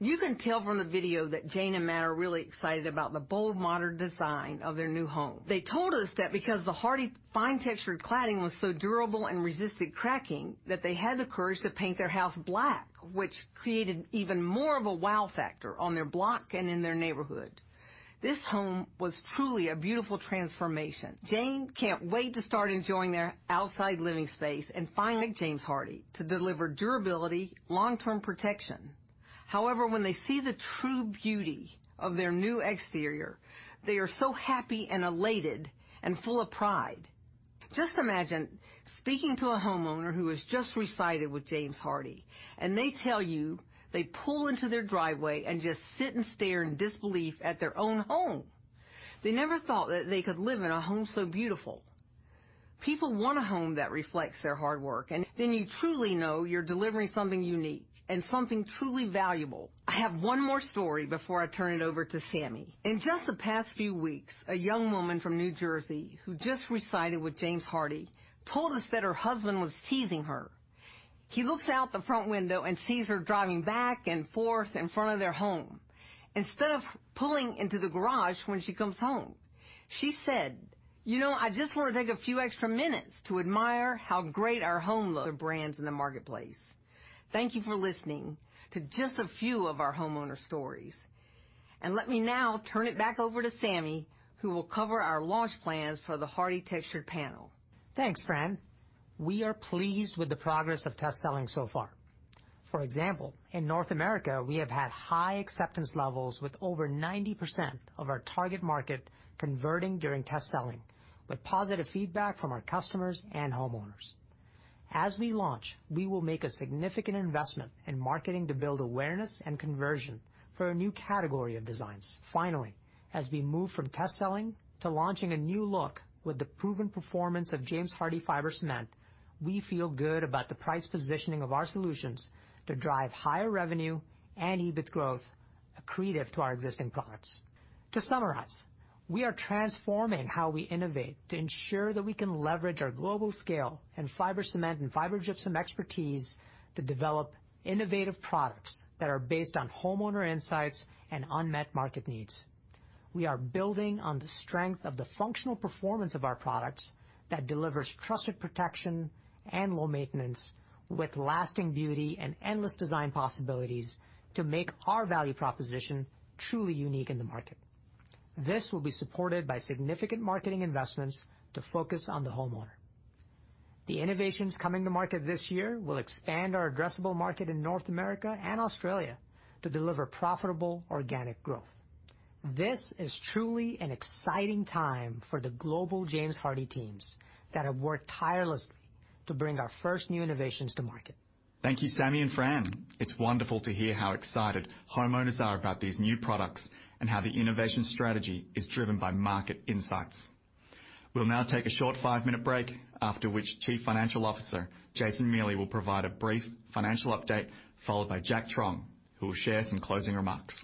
S9: You can tell from the video that Jane and Matt are really excited about the bold, modern design of their new home. They told us that because the Hardie Fine Texture Cladding was so durable and resisted cracking, that they had the courage to paint their house black, which created even more of a wow factor on their block and in their neighborhood. This home was truly a beautiful transformation. Jane can't wait to start enjoying their outside living space and finally James Hardie to deliver durability, long-term protection. However, when they see the true beauty of their new exterior, they are so happy and elated and full of pride. Just imagine speaking to a homeowner who has just sided with James Hardie, and they tell you they pull into their driveway and just sit and stare in disbelief at their own home! They never thought that they could live in a home so beautiful. People want a home that reflects their hard work, and then you truly know you're delivering something unique and something truly valuable. I have one more story before I turn it over to Sami. In just the past few weeks, a young woman from New Jersey who just sided with James Hardie told us that her husband was teasing her. He looks out the front window and sees her driving back and forth in front of their home, instead of pulling into the garage when she comes home. She said, "You know, I just want to take a few extra minutes to admire how great our home looks." Other brands in the marketplace. Thank you for listening to just a few of our homeowner stories. Let me now turn it back over to Sami, who will cover our launch plans for the Hardie Texture Panel.
S8: Thanks, Fran. We are pleased with the progress of test selling so far. For example, in North America, we have had high acceptance levels, with over 90% of our target market converting during test selling, with positive feedback from our customers and homeowners. As we launch, we will make a significant investment in marketing to build awareness and conversion for a new category of designs. Finally, as we move from test selling to launching a new look with the proven performance of James Hardie Fiber Cement, we feel good about the price positioning of our solutions to drive higher revenue and EBIT growth accretive to our existing products. To summarize, we are transforming how we innovate to ensure that we can leverage our global scale and fiber cement and fiber gypsum expertise to develop innovative products that are based on homeowner insights and unmet market needs. We are building on the strength of the functional performance of our products that delivers trusted protection and low maintenance with lasting beauty and endless design possibilities to make our value proposition truly unique in the market. This will be supported by significant marketing investments to focus on the homeowner. The innovations coming to market this year will expand our addressable market in North America and Australia to deliver profitable organic growth. This is truly an exciting time for the global James Hardie teams that have worked tirelessly to bring our first new innovations to market.
S1: Thank you, Sami and Fran. It's wonderful to hear how excited homeowners are about these new products and how the innovation strategy is driven by market insights. We'll now take a short five-minute break, after which Chief Financial Officer Jason Miele will provide a brief financial update, followed by Jack Truong, who will share some closing remarks.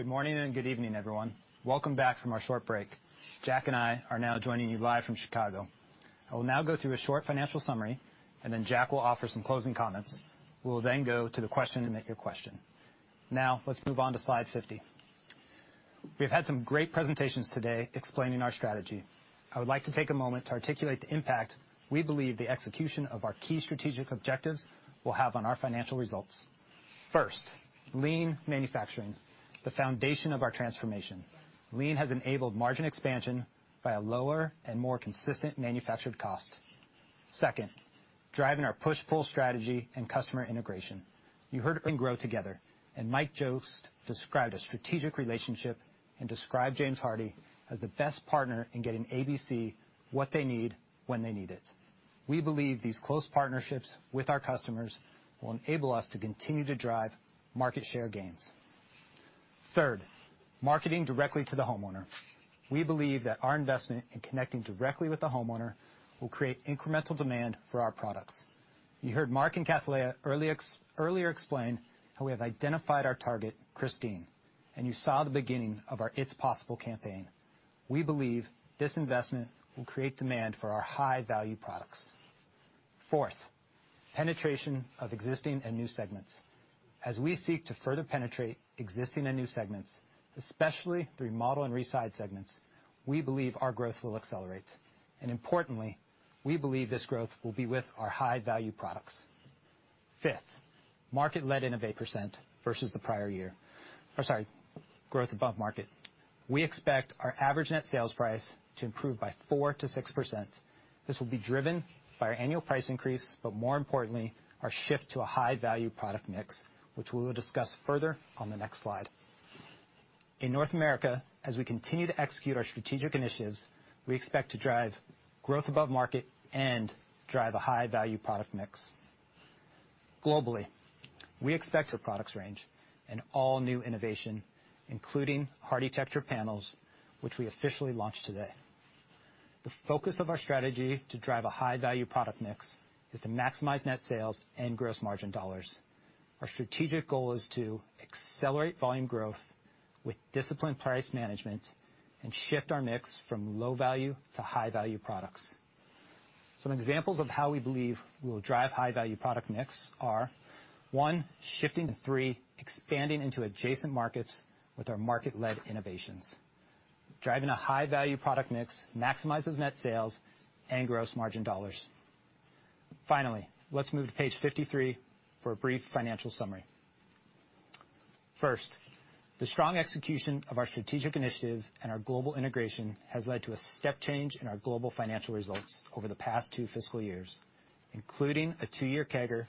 S10: Good morning, and good evening, everyone. Welcome back from our short break. Jack and I are now joining you live from Chicago. I will now go through a short financial summary, and then Jack will offer some closing comments. We will then go to the Q&A and take your questions. Now, let's move on to slide 50. We've had some great presentations today explaining our strategy. I would like to take a moment to articulate the impact we believe the execution of our key strategic objectives will have on our financial results. First, lean manufacturing, the foundation of our transformation. Lean has enabled margin expansion by a lower and more consistent manufactured cost. Second, driving our push-pull strategy and customer integration. You heard earn and grow together, and Mike Jost described a strategic relationship and described James Hardie as the best partner in getting ABC what they need, when they need it. We believe these close partnerships with our customers will enable us to continue to drive market share gains. Third, marketing directly to the homeowner. We believe that our investment in connecting directly with the homeowner will create incremental demand for our products. You heard Mark and Cathleya earlier earlier explain how we have identified our target, Christine, and you saw the beginning of our It's Possible campaign. We believe this investment will create demand for our high-value products. Fourth, penetration of existing and new segments. As we seek to further penetrate existing and new segments, especially through remodel and reside segments, we believe our growth will accelerate. Importantly, we believe this growth will be with our high-value products. Fifth, growth above market. We expect our average net sales price to improve by 4%-6%. This will be driven by our annual price increase, but more importantly, our shift to a high-value product mix, which we will discuss further on the next slide. In North America, as we continue to execute our strategic initiatives, we expect to drive growth above market and drive a high-value product mix. Globally, we expect our product range and all-new innovation, including Hardie Textured Panels, which we officially launched today. The focus of our strategy to drive a high-value product mix is to maximize net sales and gross margin dollars. Our strategic goal is to accelerate volume growth with disciplined price management and shift our mix from low-value to high-value products. Some examples of how we believe we will drive high-value product mix are, one, shifting to three, expanding into adjacent markets with our market-led innovations. Driving a high-value product mix maximizes net sales and gross margin dollars. Finally, let's move to page 53 for a brief financial summary. First, the strong execution of our strategic initiatives and our global integration has led to a step change in our global financial results over the past two fiscal years, including a two-year CAGR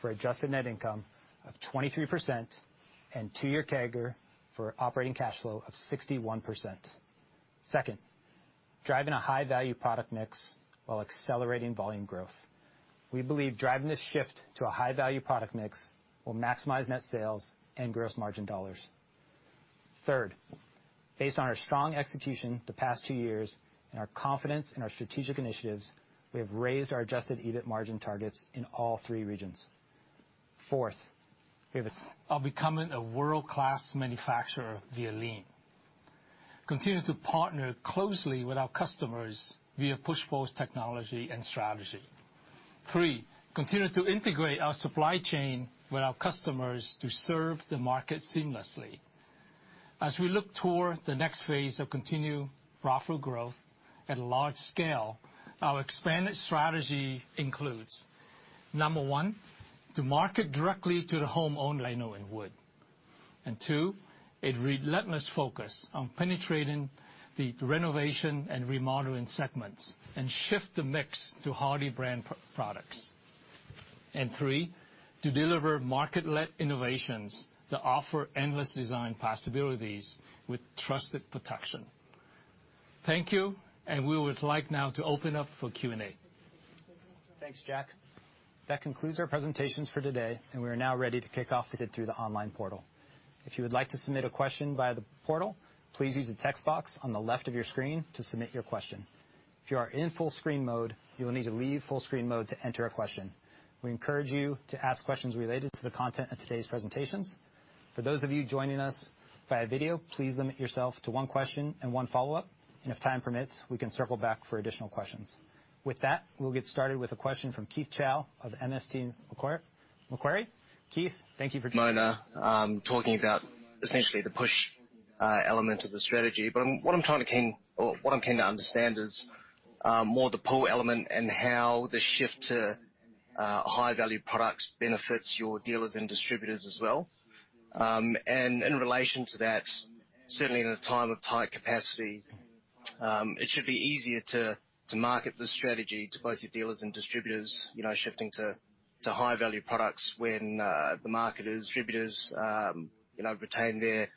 S10: for adjusted net income of 23% and two-year CAGR for operating cash flow of 61%. Second, driving a high-value product mix while accelerating volume growth. We believe driving this shift to a high-value product mix will maximize net sales and gross margin dollars. Third, based on our strong execution the past two years and our confidence in our strategic initiatives, we have raised our Adjusted EBIT margin targets in all three regions. Fourth, we have a-
S2: Of becoming a world-class manufacturer via Lean. Continue to partner closely with our customers via Push-Pull technology and strategy. Three, continue to integrate our supply chain with our customers to serve the market seamlessly. As we look toward the next phase of continued profitable growth at a large scale, our expanded strategy includes, number one, to market directly to the homeowner in wood. And two, a relentless focus on penetrating the renovation and remodeling segments and shift the mix to Hardie brand products. And three, to deliver market-led innovations that offer endless design possibilities with trusted protection. Thank you, and we would like now to open up for Q&A.
S1: Thanks, Jack. That concludes our presentations for today, and we are now ready to kick off with it through the online portal. If you would like to submit a question via the portal, please use the text box on the left of your screen to submit your question. If you are in full screen mode, you will need to leave full screen mode to enter a question. We encourage you to ask questions related to the content of today's presentations. For those of you joining us via video, please limit yourself to one question and one follow-up, and if time permits, we can circle back for additional questions. With that, we'll get started with a question from Keith Chau of MST Marquee. Keith, thank you for-
S11: Now, talking about essentially the push element of the strategy, but what I'm trying to glean or what I'm keen to understand is more the pull element and how the shift to high-value products benefits your dealers and distributors as well, and in relation to that, certainly in a time of tight capacity, it should be easier to market this strategy to both your dealers and distributors, you know, shifting to high-value products when the market distributors, you know, retain their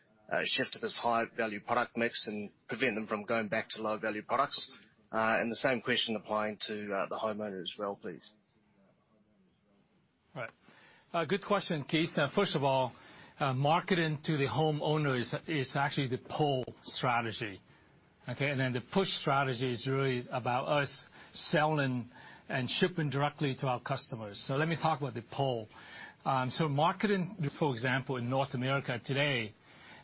S11: shift to this high-value product mix and prevent them from going back to low-value products, and the same question applying to the homeowner as well, please.
S2: Right. A good question, Keith. Now, first of all, marketing to the homeowner is actually the pull strategy, okay? And then the push strategy is really about us selling and shipping directly to our customers. So let me talk about the pull. So, marketing, for example, in North America today,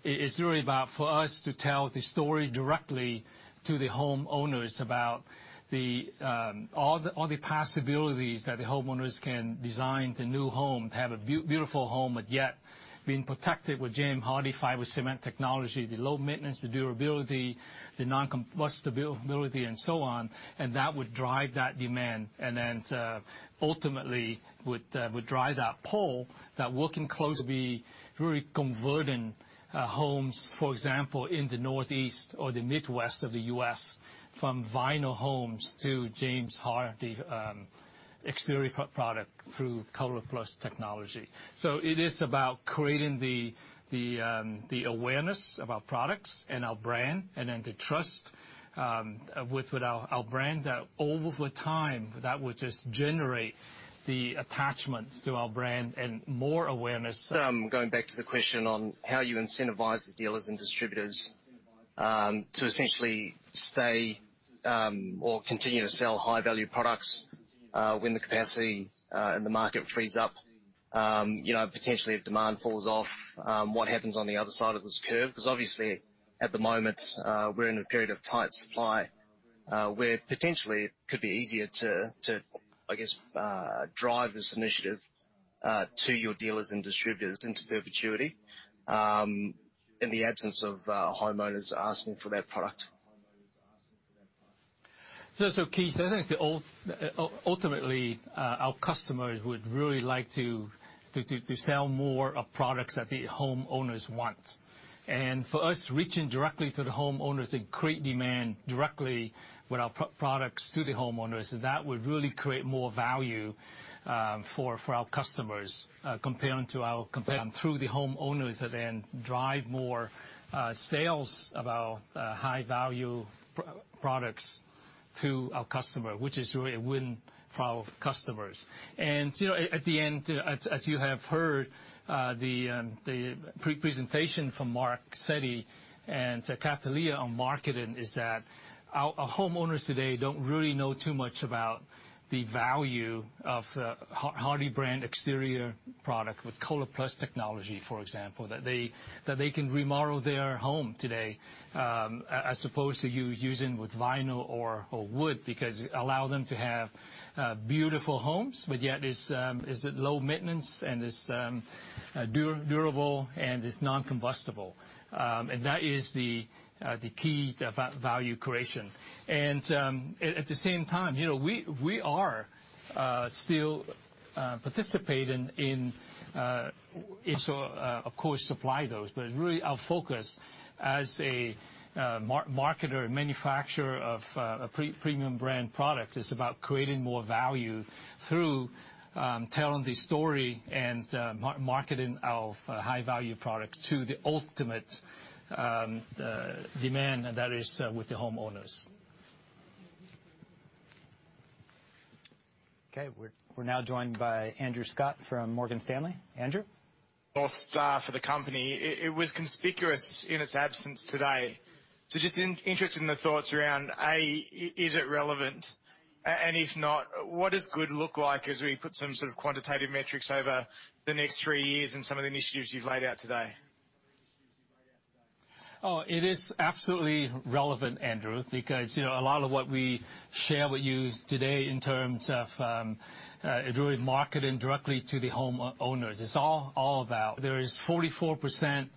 S2: is really about for us to tell the story directly to the homeowners about all the possibilities that the homeowners can design the new home, have a beautiful home, but yet being protected with James Hardie Fiber Cement technology, the low maintenance, the durability, the noncombustible, the stability and so on, and that would drive that demand, and then to ultimately would drive that pull, that working closely, be really converting homes, for example, in the Northeast or the Midwest of the U.S., from vinyl homes to James Hardie exterior product through ColorPlus technology. It is about creating the awareness of our products and our brand, and then the trust with our brand over time, that would just generate the attachments to our brand and more awareness.
S11: Going back to the question on how you incentivize the dealers and distributors, to essentially stay, or continue to sell high-value products, when the capacity, and the market frees up, you know, potentially if demand falls off, what happens on the other side of this curve? Because obviously, at the moment, we're in a period of tight supply, where potentially it could be easier to, I guess, drive this initiative, to your dealers and distributors into perpetuity, in the absence of, homeowners asking for that product.
S2: So, Keith, I think ultimately our customers would really like to sell more of products that the homeowners want, and for us, reaching directly to the homeowners and create demand directly with our products to the homeowners, that would really create more value for our customers, comparing to through the homeowners that then drive more sales of our high-value products to our customer, which is really a win for our customers. And, you know, at the end, as you have heard, the pre-presentation from Marc Setty and Cathleya on marketing is that our homeowners today don't really know too much about the value of Hardie brand exterior product with ColorPlus Technology, for example, that they can remodel their home today, as opposed to using with vinyl or wood, because it allow them to have beautiful homes, but yet it's low maintenance, and it's durable, and it's non-combustible. And that is the key value creation. And, at the same time, you know, we are still participating in, and so, of course, supply those. But really, our focus as a marketer and manufacturer of a premium brand product is about creating more value through telling the story and marketing our high-value products to the ultimate demand, and that is with the homeowners.
S1: Okay. We're now joined by Andrew Scott from Morgan Stanley. Andrew?
S12: North Star for the company, it was conspicuous in its absence today. So just interested in the thoughts around, A, is it relevant? And if not, what does good look like as we put some sort of quantitative metrics over the next three years and some of the initiatives you've laid out today?
S2: Oh, it is absolutely relevant, Andrew, because, you know, a lot of what we share with you today in terms of really marketing directly to the homeowners. It's all about there are 44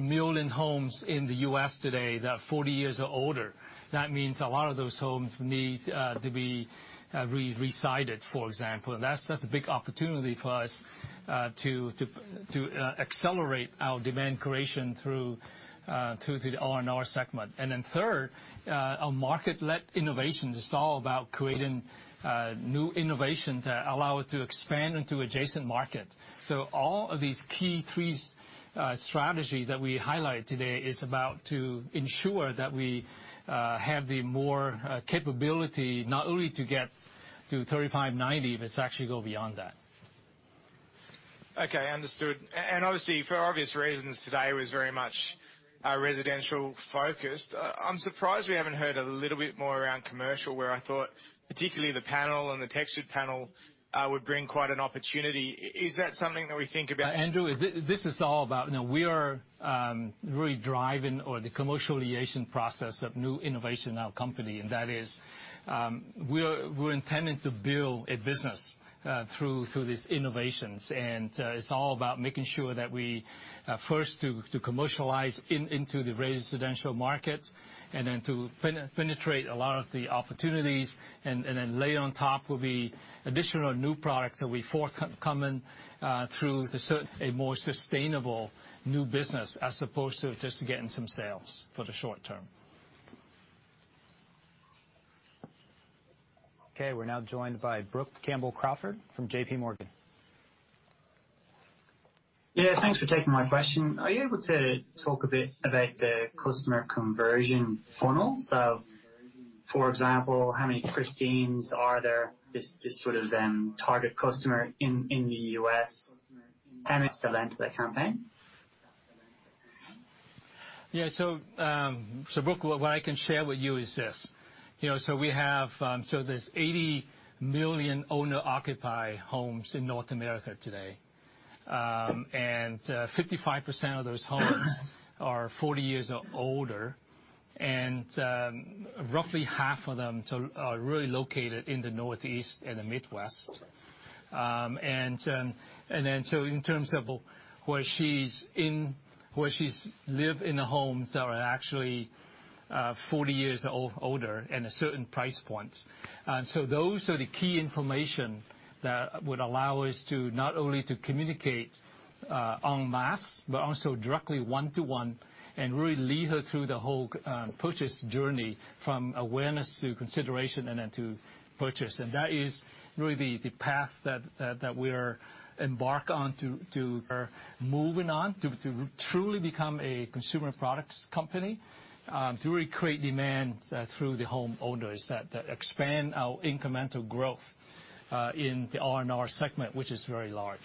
S2: million homes in the U.S. today that are 40 years or older. That means a lot of those homes need to be re-sided, for example. And that's a big opportunity for us to accelerate our demand creation through the R&R segment. And then third, our market-led innovation is all about creating new innovation to allow it to expand into adjacent markets. So all of these key three strategies that we highlight today is about to ensure that we have the more capability, not only to get to 35, 90, but to actually go beyond that.
S12: Okay, understood. And obviously, for obvious reasons, today was very much residential focused. I'm surprised we haven't heard a little bit more around commercial, where I thought, particularly the panel and the textured panel, would bring quite an opportunity. Is that something that we think about?
S2: Andrew, this is all about, you know, we are really driving the commercialization process of new innovation in our company. That is, we're intending to build a business through these innovations. It's all about making sure that we first commercialize into the residential markets, and then penetrate a lot of the opportunities, and then layer on top will be additional new products that we forthcoming through a more sustainable new business, as opposed to just getting some sales for the short term.
S1: Okay, we're now joined by Brook Campbell-Crawford from JP Morgan.
S13: Yeah, thanks for taking my question. Are you able to talk a bit about the customer conversion funnel? So, for example, how many Christines are there, this sort of then target customer in the US, and it's the length of the campaign?
S2: Yeah. So, Brook, what I can share with you is this: you know, so we have, so there's 80 million owner-occupied homes in North America today. And, fifty-five percent of those homes are 40 years or older, and, roughly half of them are really located in the Northeast and the Midwest. And, and then, so in terms of where she lives in the homes are actually, 40 years or older and at certain price points. And so those are the key information that would allow us to not only to communicate en masse, but also directly one to one, and really lead her through the whole, purchase journey from awareness to consideration and then to purchase. And that is really the path that we are embark on to moving on to truly become a consumer products company, to really create demand through the homeowners that expand our incremental growth in the R&R segment, which is very large.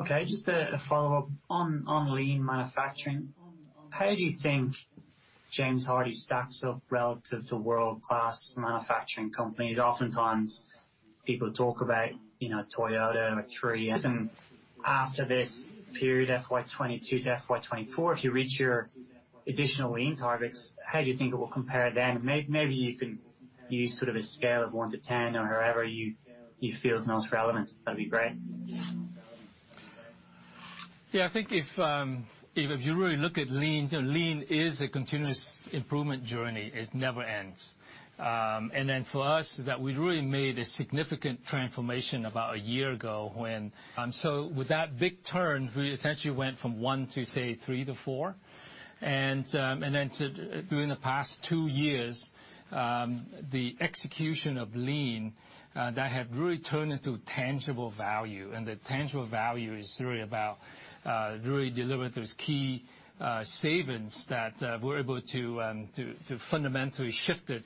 S13: Okay, just a follow-upon lean manufacturing, how do you think James Hardie stacks up relative to world-class manufacturing companies? Oftentimes, people talk about, you know, Toyota or 3M, and after this period, FY 2022 to FY 2024, if you reach your additional lean targets, how do you think it will compare then? Maybe you can use sort of a scale of one to ten, or however you feel is most relevant. That'd be great.
S2: Yeah, I think if you really look at lean, lean is a continuous improvement journey. It never ends, and then for us that we really made a significant transformation about a year ago so with that big turn, we essentially went from one to, say, three to four, and then during the past two years the execution of lean that have really turned into tangible value, and the tangible value is really about really delivering those key savings that we're able to fundamentally shift our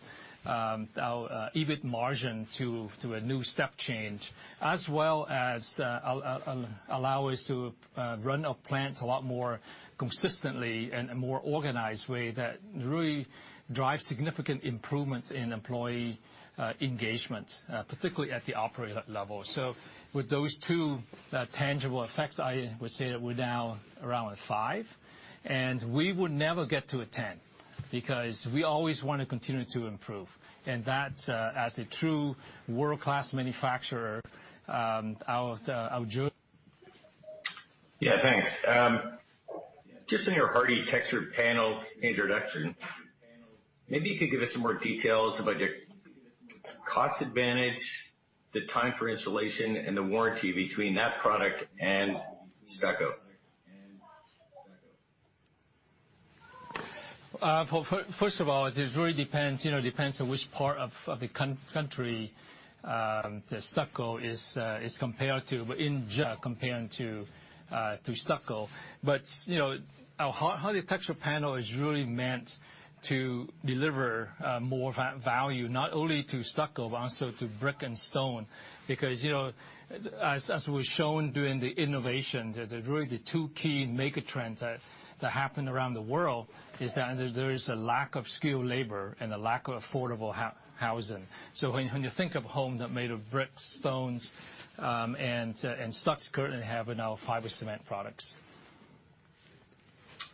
S2: EBIT margin to a new step change, as well as allow us to run our plants a lot more consistently and a more organized way that really drives significant improvements in employee engagement, particularly at the operator level. So with those two tangible effects, I would say that we're now around a five, and we would never get to a ten, because we always want to continue to improve. And that, as a true world-class manufacturer, our journey-
S14: Yeah, thanks. Just on your Hardie Texture Panel introduction, maybe you could give us some more details about your cost advantage, the time for installation, and the warranty between that product and stucco?
S2: First of all, it really depends, you know, depends on which part of the country the stucco is compared to, but in general, comparing to stucco. But, you know, our Hardie Texture Panel is really meant to deliver more value, not only to stucco, but also to brick and stone. Because, you know, as we've shown during the innovation, that really the two key mega trends that happen around the world is that there is a lack of skilled labor and a lack of affordable housing. So when you think of home that made of bricks, stones, and stuccos, currently have in our fiber cement products.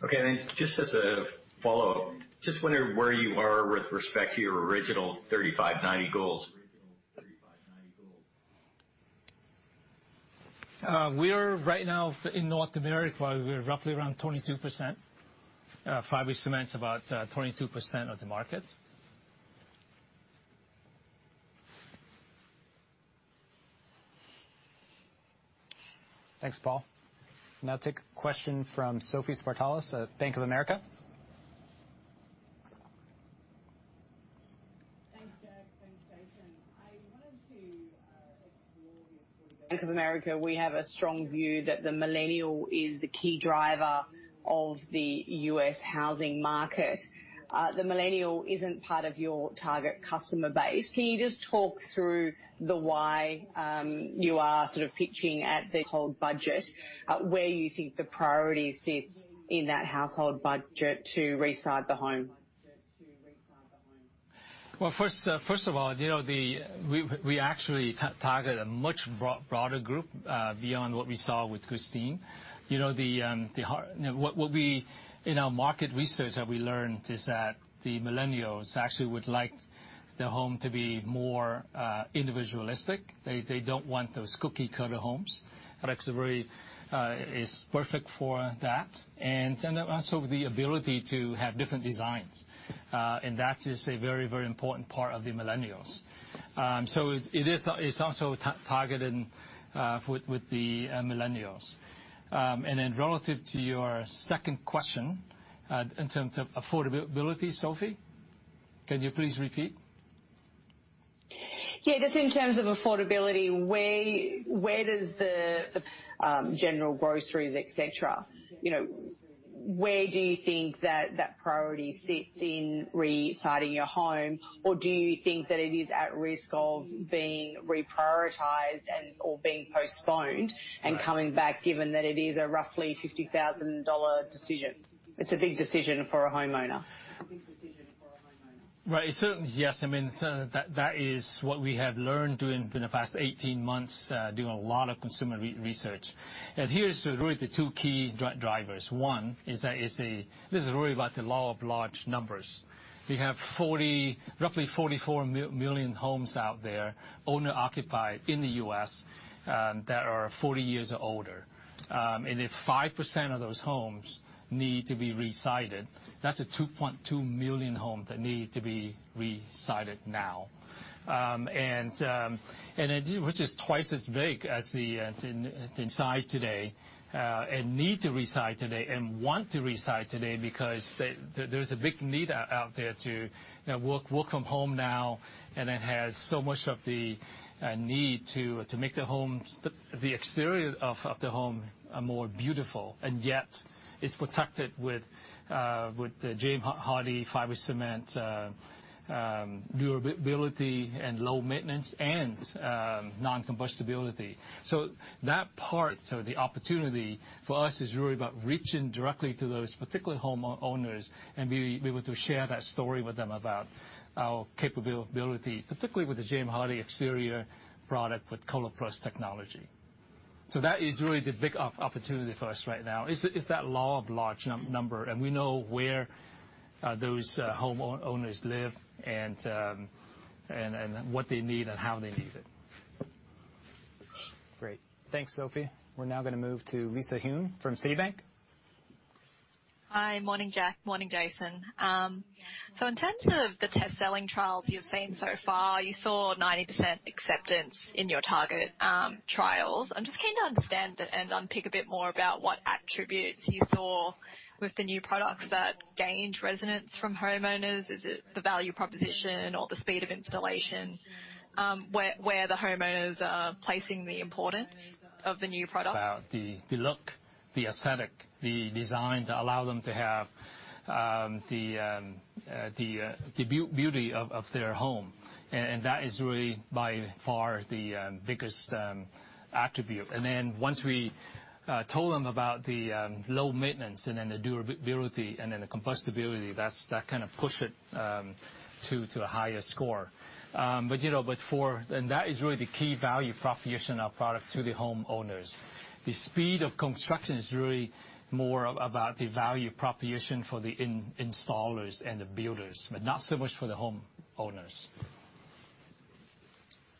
S14: Okay, and then just as a follow-up, just wondering where you are with respect to your original 35, 90 goals?
S2: We are right now in North America, we're roughly around 22% fiber cement, about 22% of the market.
S1: Thanks, Paul. Now take a question from Sophie Spartalis at Bank of America.
S15: Thanks, Jack. Thanks, Jason. I wanted to explore. Bank of America, we have a strong view that the millennial is the key driver of the U.S. housing market. The millennial isn't part of your target customer base. Can you just talk through the why, you are sort of pitching at the whole budget, where you think the priority sits in that household budget to re-side the home?
S2: Well, first, first of all, you know, we actually target a much broader group beyond what we saw with Christine. You know, what we in our market research have learned is that the millennials actually would like the home to be more individualistic. They don't want those cookie-cutter homes. Products are very is perfect for that, and then also the ability to have different designs. And that is a very, very important part of the millennials. So it is, it's also targeted with the millennials. And then relative to your second question, in terms of affordability, Sophie, can you please repeat?
S15: Yeah, just in terms of affordability, where does the general groceries, et cetera, you know, where do you think that priority sits in re-siding your home? Or do you think that it is at risk of being reprioritized and/or being postponed-
S2: Right.
S15: And coming back, given that it is a roughly $50,000 decision? It's a big decision for a homeowner.
S2: Right. It certainly, yes, I mean, so that is what we have learned during the past 18 months, doing a lot of consumer research. And here's really the two key drivers. One is that. This is really about the law of large numbers. We have roughly 44 million homes out there, owner-occupied in the U.S., that are 40 years or older. And if 5% of those homes need to be re-sided, that's 2.2 million homes that need to be re-sided now. And again, which is twice as big as re-side today, and need to re-side today, and want to re-side today because there's a big need out there to, you know, welcome homeowners now, and it has so much of the need to make the homes, the exterior of the home more beautiful, and yet it's protected with the James Hardie fiber cement durability and low maintenance and non-combustibility. So that part, the opportunity for us is really about reaching directly to those particular homeowners, and be able to share that story with them about our capability, particularly with the James Hardie exterior product with ColorPlus technology. So that is really the big opportunity for us right now, is that law of large number, and we know where those homeowners live and what they need and how they need it.
S1: Great. Thanks, Sophie. We're now gonna move to Lisa Huynh from Citi.
S16: Hi. Morning, Jack. Morning, Jason. So in terms of the test selling trials you've seen so far, you saw 90% acceptance in your target trials. I'm just keen to understand and unpick a bit more about what attributes you saw with the new products that gained resonance from homeowners? Is it the value proposition or the speed of installation? Where the homeowners are placing the importance of the new product?
S2: The look, the aesthetic, the design to allow them to have the beauty of their home, and that is really by far the biggest attribute, and then once we told them about the low maintenance and then the durability and then the combustibility, that kind of pushed it to a higher score. You know, that is really the key value proposition of product to the homeowners. The speed of construction is really more about the value proposition for the installers and the builders, but not so much for the homeowners.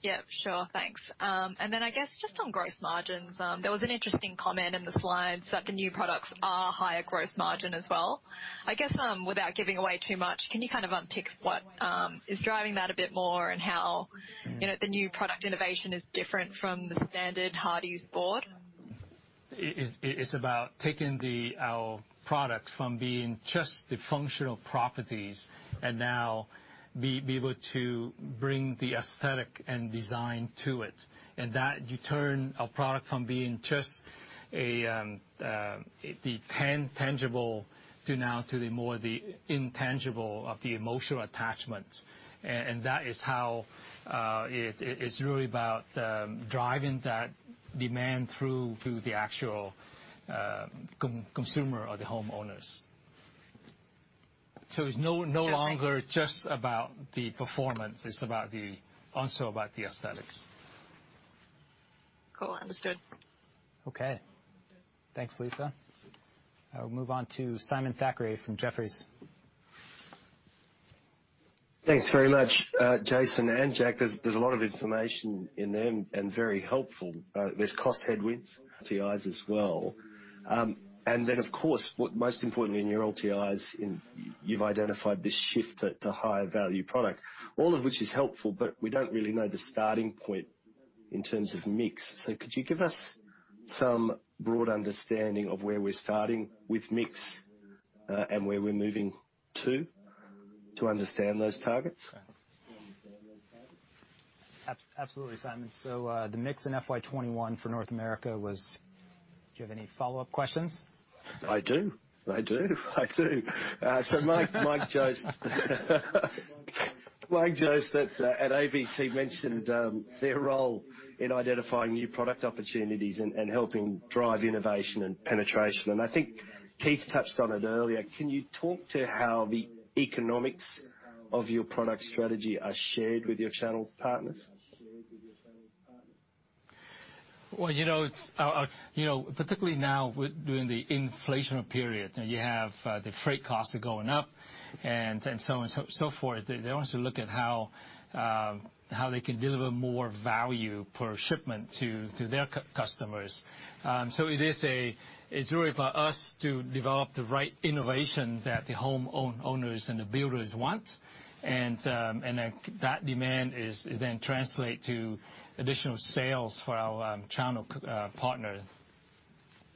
S16: Yep, sure. Thanks, and then I guess just on gross margins, there was an interesting comment in the slides that the new products are higher gross margin as well. I guess, without giving away too much, can you kind of unpick what is driving that a bit more, and how, you know, the new product innovation is different from the standard Hardie's board?
S2: It is about taking the our product from being just the functional properties, and now be able to bring the aesthetic and design to it. And that you turn a product from being just a the tangible to now to the more the intangible of the emotional attachment. And that is how it it's really about driving that demand through to the actual consumer or the homeowners. So it's no longer-
S16: Sure.
S2: Just about the performance, it's about the, also about the aesthetics.
S16: Cool. Understood.
S1: Okay. Thanks, Lisa. I'll move on to Simon Thackray from Jefferies.
S17: Thanks very much, Jason and Jack. There's a lot of information in there and very helpful. There's cost headwinds, TIs as well. And then, of course, what most importantly in your LTIs, you've identified this shift to higher value product. All of which is helpful, but we don't really know the starting point in terms of mix. So could you give us some broad understanding of where we're starting with mix, and where we're moving to understand those targets?
S10: Absolutely, Simon. So, the mix in FY twenty-one for North America was... Do you have any follow-up questions?
S17: I do. I do, I do. So Mike Jost at ABC mentioned their role in identifying new product opportunities and helping drive innovation and penetration. And I think Keith touched on it earlier. Can you talk to how the economics of your product strategy are shared with your channel partners?
S2: Well, you know, it's you know, particularly now with during the inflation period, and you have the freight costs are going up and so on and so forth. They also look at how they can deliver more value per shipment to their customers. So it is, it's really for us to develop the right innovation that the homeowners and the builders want, and then that demand is then translate to additional sales for our channel partners.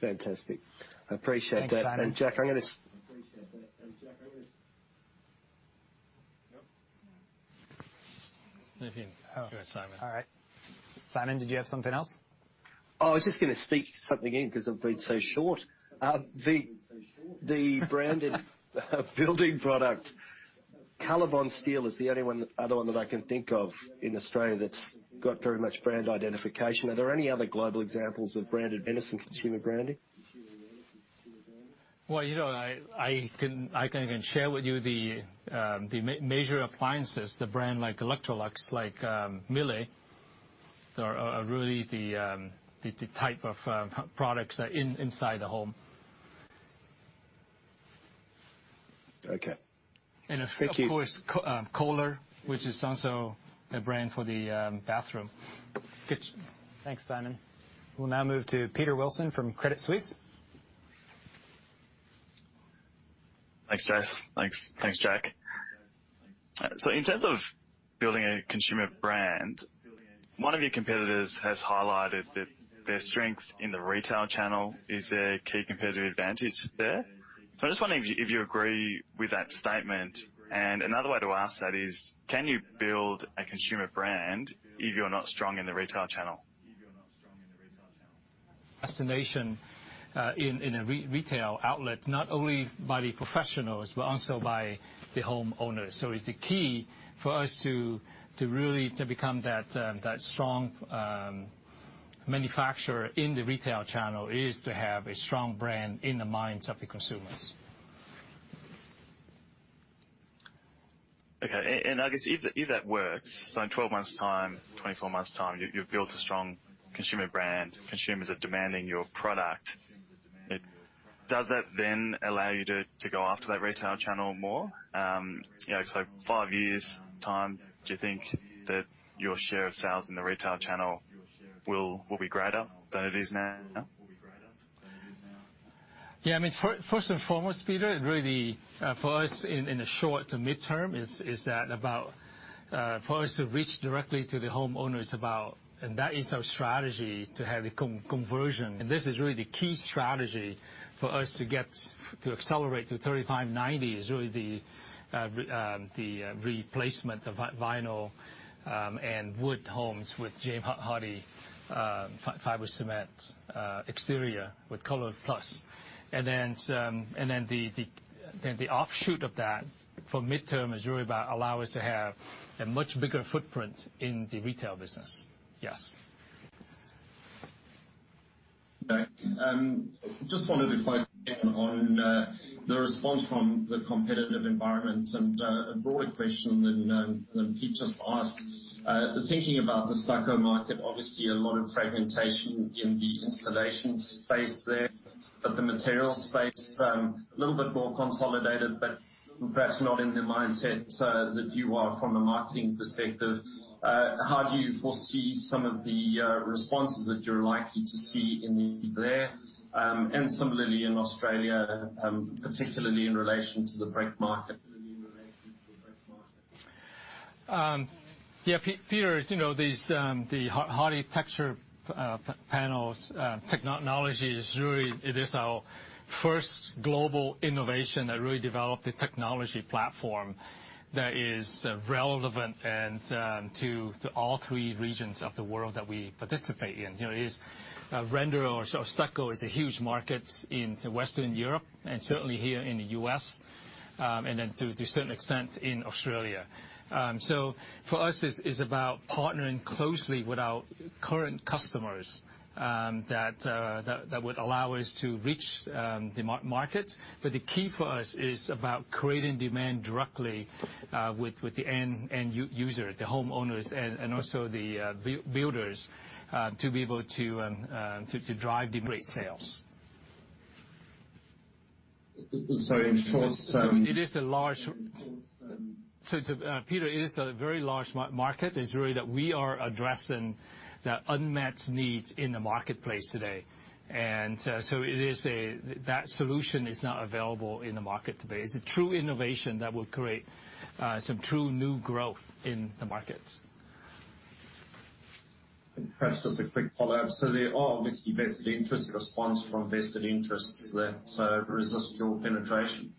S17: Fantastic. I appreciate that.
S10: Thanks, Simon.
S17: Jack, I'm gonna-
S10: Yep. Go ahead, Simon. All right. Simon, did you have something else?
S17: Oh, I was just gonna sneak something in because I've been so short. The branded building product, Colorbond Steel, is the only one, other one that I can think of in Australia that's got very much brand identification. Are there any other global examples of branded building consumer branding?
S2: You know, I can share with you the major appliances, the brand like Electrolux, like Miele, are really the type of products that inside the home.
S17: Okay. Thank you.
S2: And of course, Kohler, which is also a brand for the, bathroom.
S1: Good. Thanks, Simon. We'll now move to Peter Wilson from Credit Suisse.
S18: Thanks, Jason. Thanks, Jack. In terms of building a consumer brand, one of your competitors has highlighted that their strength in the retail channel is a key competitive advantage there. I'm just wondering if you agree with that statement. Another way to ask that is, can you build a consumer brand if you're not strong in the retail channel?
S2: Destination in a retail outlet, not only by the professionals, but also by the homeowners. So it's the key for us to really become that strong manufacturer in the retail channel, is to have a strong brand in the minds of the consumers.
S18: Okay. And I guess if that works, so in twelve months time, twenty-four months time, you've built a strong consumer brand, consumers are demanding your product. Does that then allow you to go after that retail channel more? You know, so five years time, do you think that your share of sales in the retail channel will be greater than it is now?
S2: Yeah, I mean, first and foremost, Peter, it really for us in the short to midterm is that about for us to reach directly to the homeowners about, and that is our strategy to have a conversion. And this is really the key strategy for us to get to accelerate to thirty-five, ninety is really the replacement of vinyl and wood homes with James Hardie fiber cement exterior with ColorPlus. And then the offshoot of that for midterm is really about allow us to have a much bigger footprint in the retail business. Yes.
S18: Okay. Just wanted to focus in on the response from the competitive environment and a broader question than Pete just asked. The thinking about the stucco market, obviously, a lot of fragmentation in the installation space there, but the materials space a little bit more consolidated, but perhaps not in the mindset that you are from a marketing perspective. How do you foresee some of the responses that you're likely to see in there, and similarly in Australia, particularly in relation to the brick market?
S2: Yeah, Peter, as you know, these, the Hardie Textured Panels technology is really, it is our first global innovation that really developed a technology platform that is relevant and to all three regions of the world that we participate in. You know, it is render or stucco is a huge market in Western Europe and certainly here in the U.S., and then to a certain extent in Australia. So for us, this is about partnering closely with our current customers that would allow us to reach the market. But the key for us is about creating demand directly with the end user, the homeowners, and also the builders to be able to to drive the great sales.
S18: So, in short.
S2: It is a large. So, to Peter, it is a very large market. It's really that we are addressing the unmet needs in the marketplace today. And, so. That solution is not available in the market today. It's a true innovation that will create some true new growth in the markets.
S18: And perhaps just a quick follow-up. So there are obviously vested interests response from vested interests there, so resist your penetration.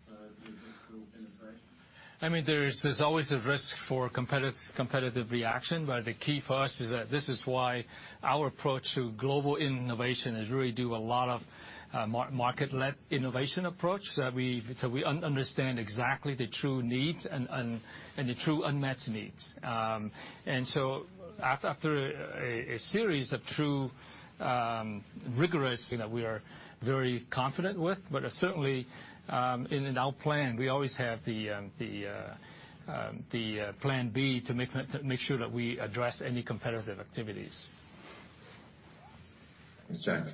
S2: I mean, there is, there's always a risk for competitive reaction, but the key for us is that this is why our approach to global innovation is really do a lot of market-led innovation approach, so that we understand exactly the true needs and the true unmet needs. And so after a series of true rigorous, you know, we are very confident with, but certainly in our plan, we always have the plan B to make sure that we address any competitive activities.
S18: Thanks, Jack.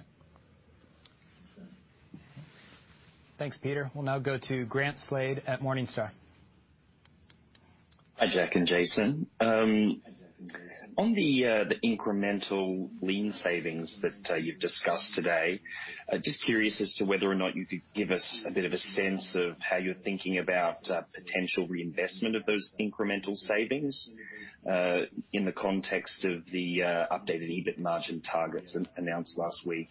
S1: Thanks, Peter. We'll now go to Grant Slade at Morningstar.
S19: Hi, Jack and Jason. On the incremental lean savings that you've discussed today, just curious as to whether or not you could give us a bit of a sense of how you're thinking about potential reinvestment of those incremental savings in the context of the updated EBIT margin targets announced last week?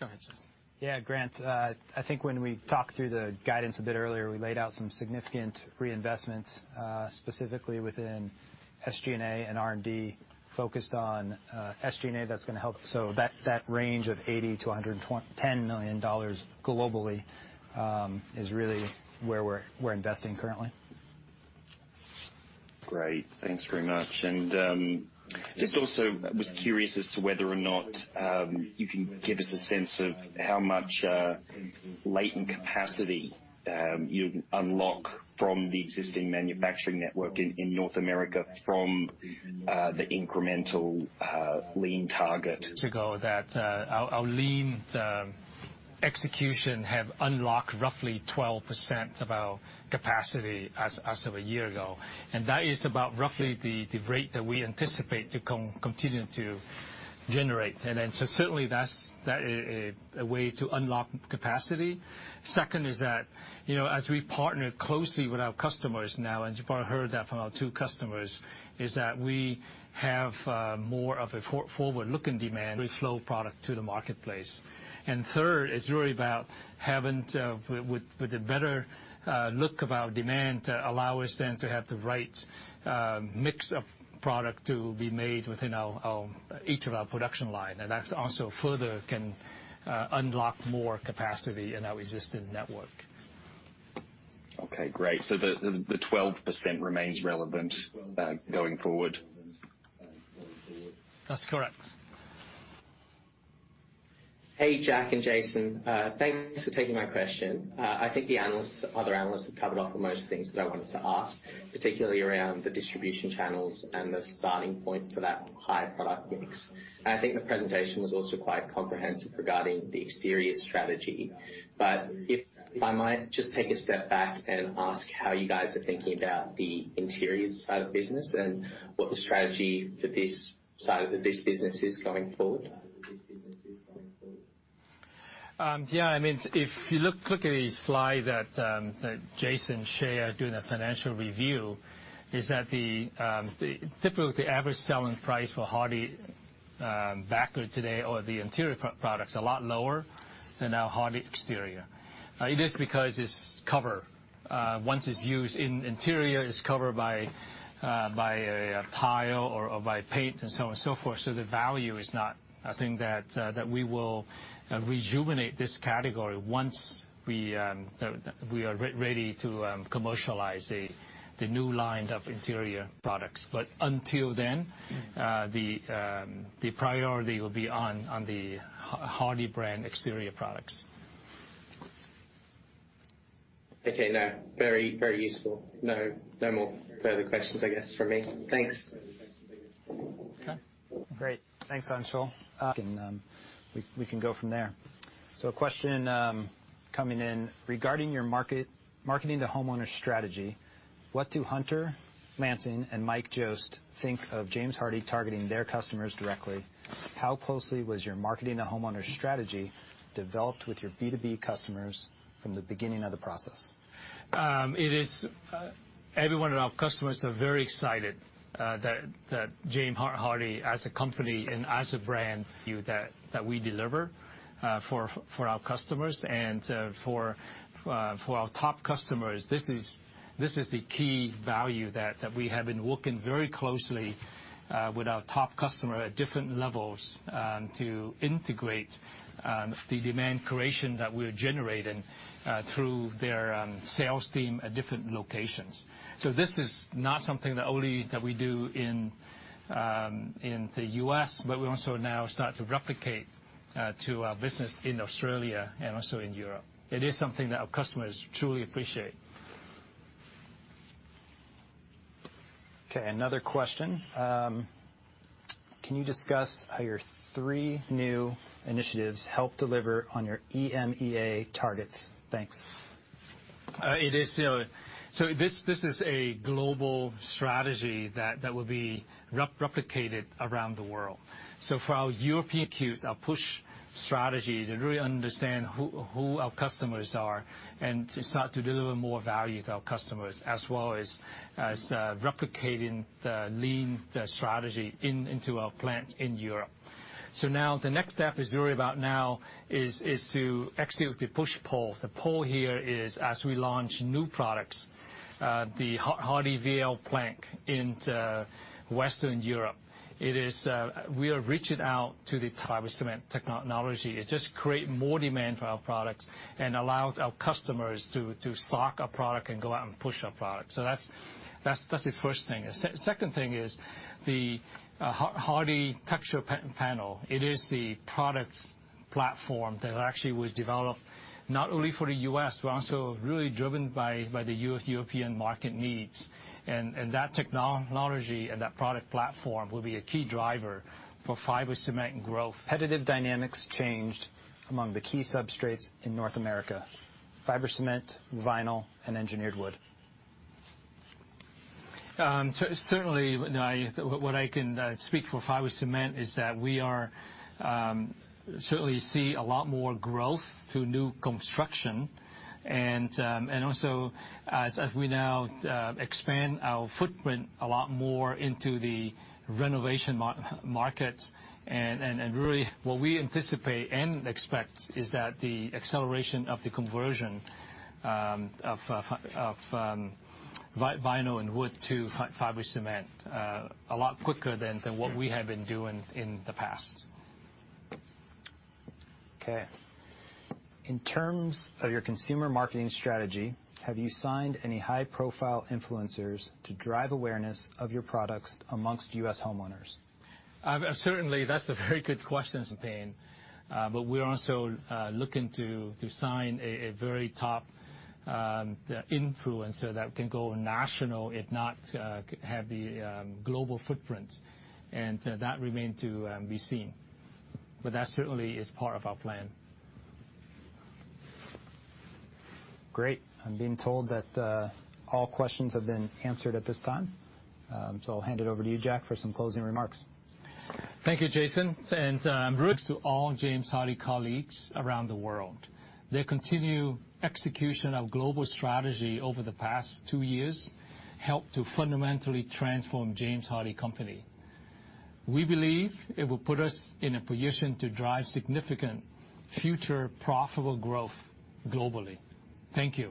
S1: Go ahead, Jason.
S10: Yeah, Grant, I think when we talked through the guidance a bit earlier, we laid out some significant reinvestments, specifically within SG&A and R&D, focused on SG&A. That's going to help. So that range of $80 million-$110 million globally is really where we're investing currently.
S19: Great. Thanks very much. And just also was curious as to whether or not you can give us a sense of how much latent capacity you unlock from the existing manufacturing network in North America from the incremental lean target?
S2: To go that, our lean execution have unlocked roughly 12% of our capacity as of a year ago, and that is about roughly the rate that we anticipate to continue to generate. Certainly, that's a way to unlock capacity. Second is that, you know, as we partner closely with our customers now, and you've probably heard that from our two customers, we have more of a forward-looking demand, we flow product to the marketplace. Third, it's really about having with a better look of our demand to allow us then to have the right mix of product to be made within our each of our production line. That's also further can unlock more capacity in our existing network.
S19: Okay, great. So the 12% remains relevant going forward?
S2: That's correct.
S20: Hey, Jack and Jason. Thanks for taking my question. I think the analysts, other analysts, have covered off on most things that I wanted to ask, particularly around the distribution channels and the starting point for that higher product mix. I think the presentation was also quite comprehensive regarding the exterior strategy. But if I might just take a step back and ask how you guys are thinking about the interior side of the business and what the strategy for this side of this business is going forward?
S2: Yeah, I mean, if you look quickly at the slide that Jason shared during the financial review, it's that the typical average selling price for HardieBacker today, or the interior products, are a lot lower than our Hardie exterior. It is because it's covered. Once it's used in interior, it's covered by a tile or by paint, and so on and so forth, so the value is not a thing that we will rejuvenate this category once we are ready to commercialize the new line of interior products. But until then, the priority will be on the Hardie brand exterior products.
S20: Okay, now, very, very useful. No, no more further questions, I guess, from me. Thanks. Okay, great. Thanks, Sam Seow. We can go from there. So a question coming in: Regarding your marketing to homeowner strategy, what do Hunter Lansing and Mike Jost think of James Hardie targeting their customers directly? How closely was your marketing to homeowners strategy developed with your B2B customers from the beginning of the process?
S2: It is every one of our customers are very excited that James Hardie, as a company and as a brand, value that we deliver for our customers and for our top customers. This is the key value that we have been working very closely with our top customer at different levels to integrate the demand creation that we're generating through their sales team at different locations. So this is not something that only we do in the U.S., but we also now start to replicate to our business in Australia and also in Europe. It is something that our customers truly appreciate.
S21: Okay, another question. Can you discuss how your three new initiatives help deliver on your EMEA targets? Thanks.
S2: It is, so this is a global strategy that will be replicated around the world. So for our European queues, our push strategies and really understand who our customers are, and to start to deliver more value to our customers, as well as replicating the lean strategy into our plants in Europe. So now, the next step is really about to execute with the push-pull. The pull here is, as we launch new products, the Hardie VL Plank into Western Europe, we are reaching out to the fiber cement technology. It just create more demand for our products and allows our customers to stock our product and go out and push our product. So that's the first thing. Second thing is the Hardie Texture Panel. It is the product platform that actually was developed not only for the U.S., but also really driven by the U.S. European market needs. That technology and that product platform will be a key driver for fiber cement growth.
S10: Competitive dynamics changed among the key substrates in North America: fiber cement, vinyl, and engineered wood.
S2: Certainly, now what I can speak for fiber cement is that we are certainly seeing a lot more growth through new construction. Also, as we now expand our footprint a lot more into the renovation market, and really, what we anticipate and expect is that the acceleration of the conversion of vinyl and wood to fiber cement a lot quicker than what we have been doing in the past.
S22: Okay. In terms of your consumer marketing strategy, have you signed any high-profile influencers to drive awareness of your products among U.S. homeowners?
S2: I've certainly, that's a very good question, Zane. But we're also looking to sign a very top influencer that can go national, if not, have the global footprint. And that remain to be seen, but that certainly is part of our plan.
S10: Great. I'm being told that all questions have been answered at this time. So I'll hand it over to you, Jack, for some closing remarks.
S2: Thank you, Jason, and thanks to all James Hardie colleagues around the world. Their continued execution of global strategy over the past two years helped to fundamentally transform James Hardie company. We believe it will put us in a position to drive significant future profitable growth globally. Thank you.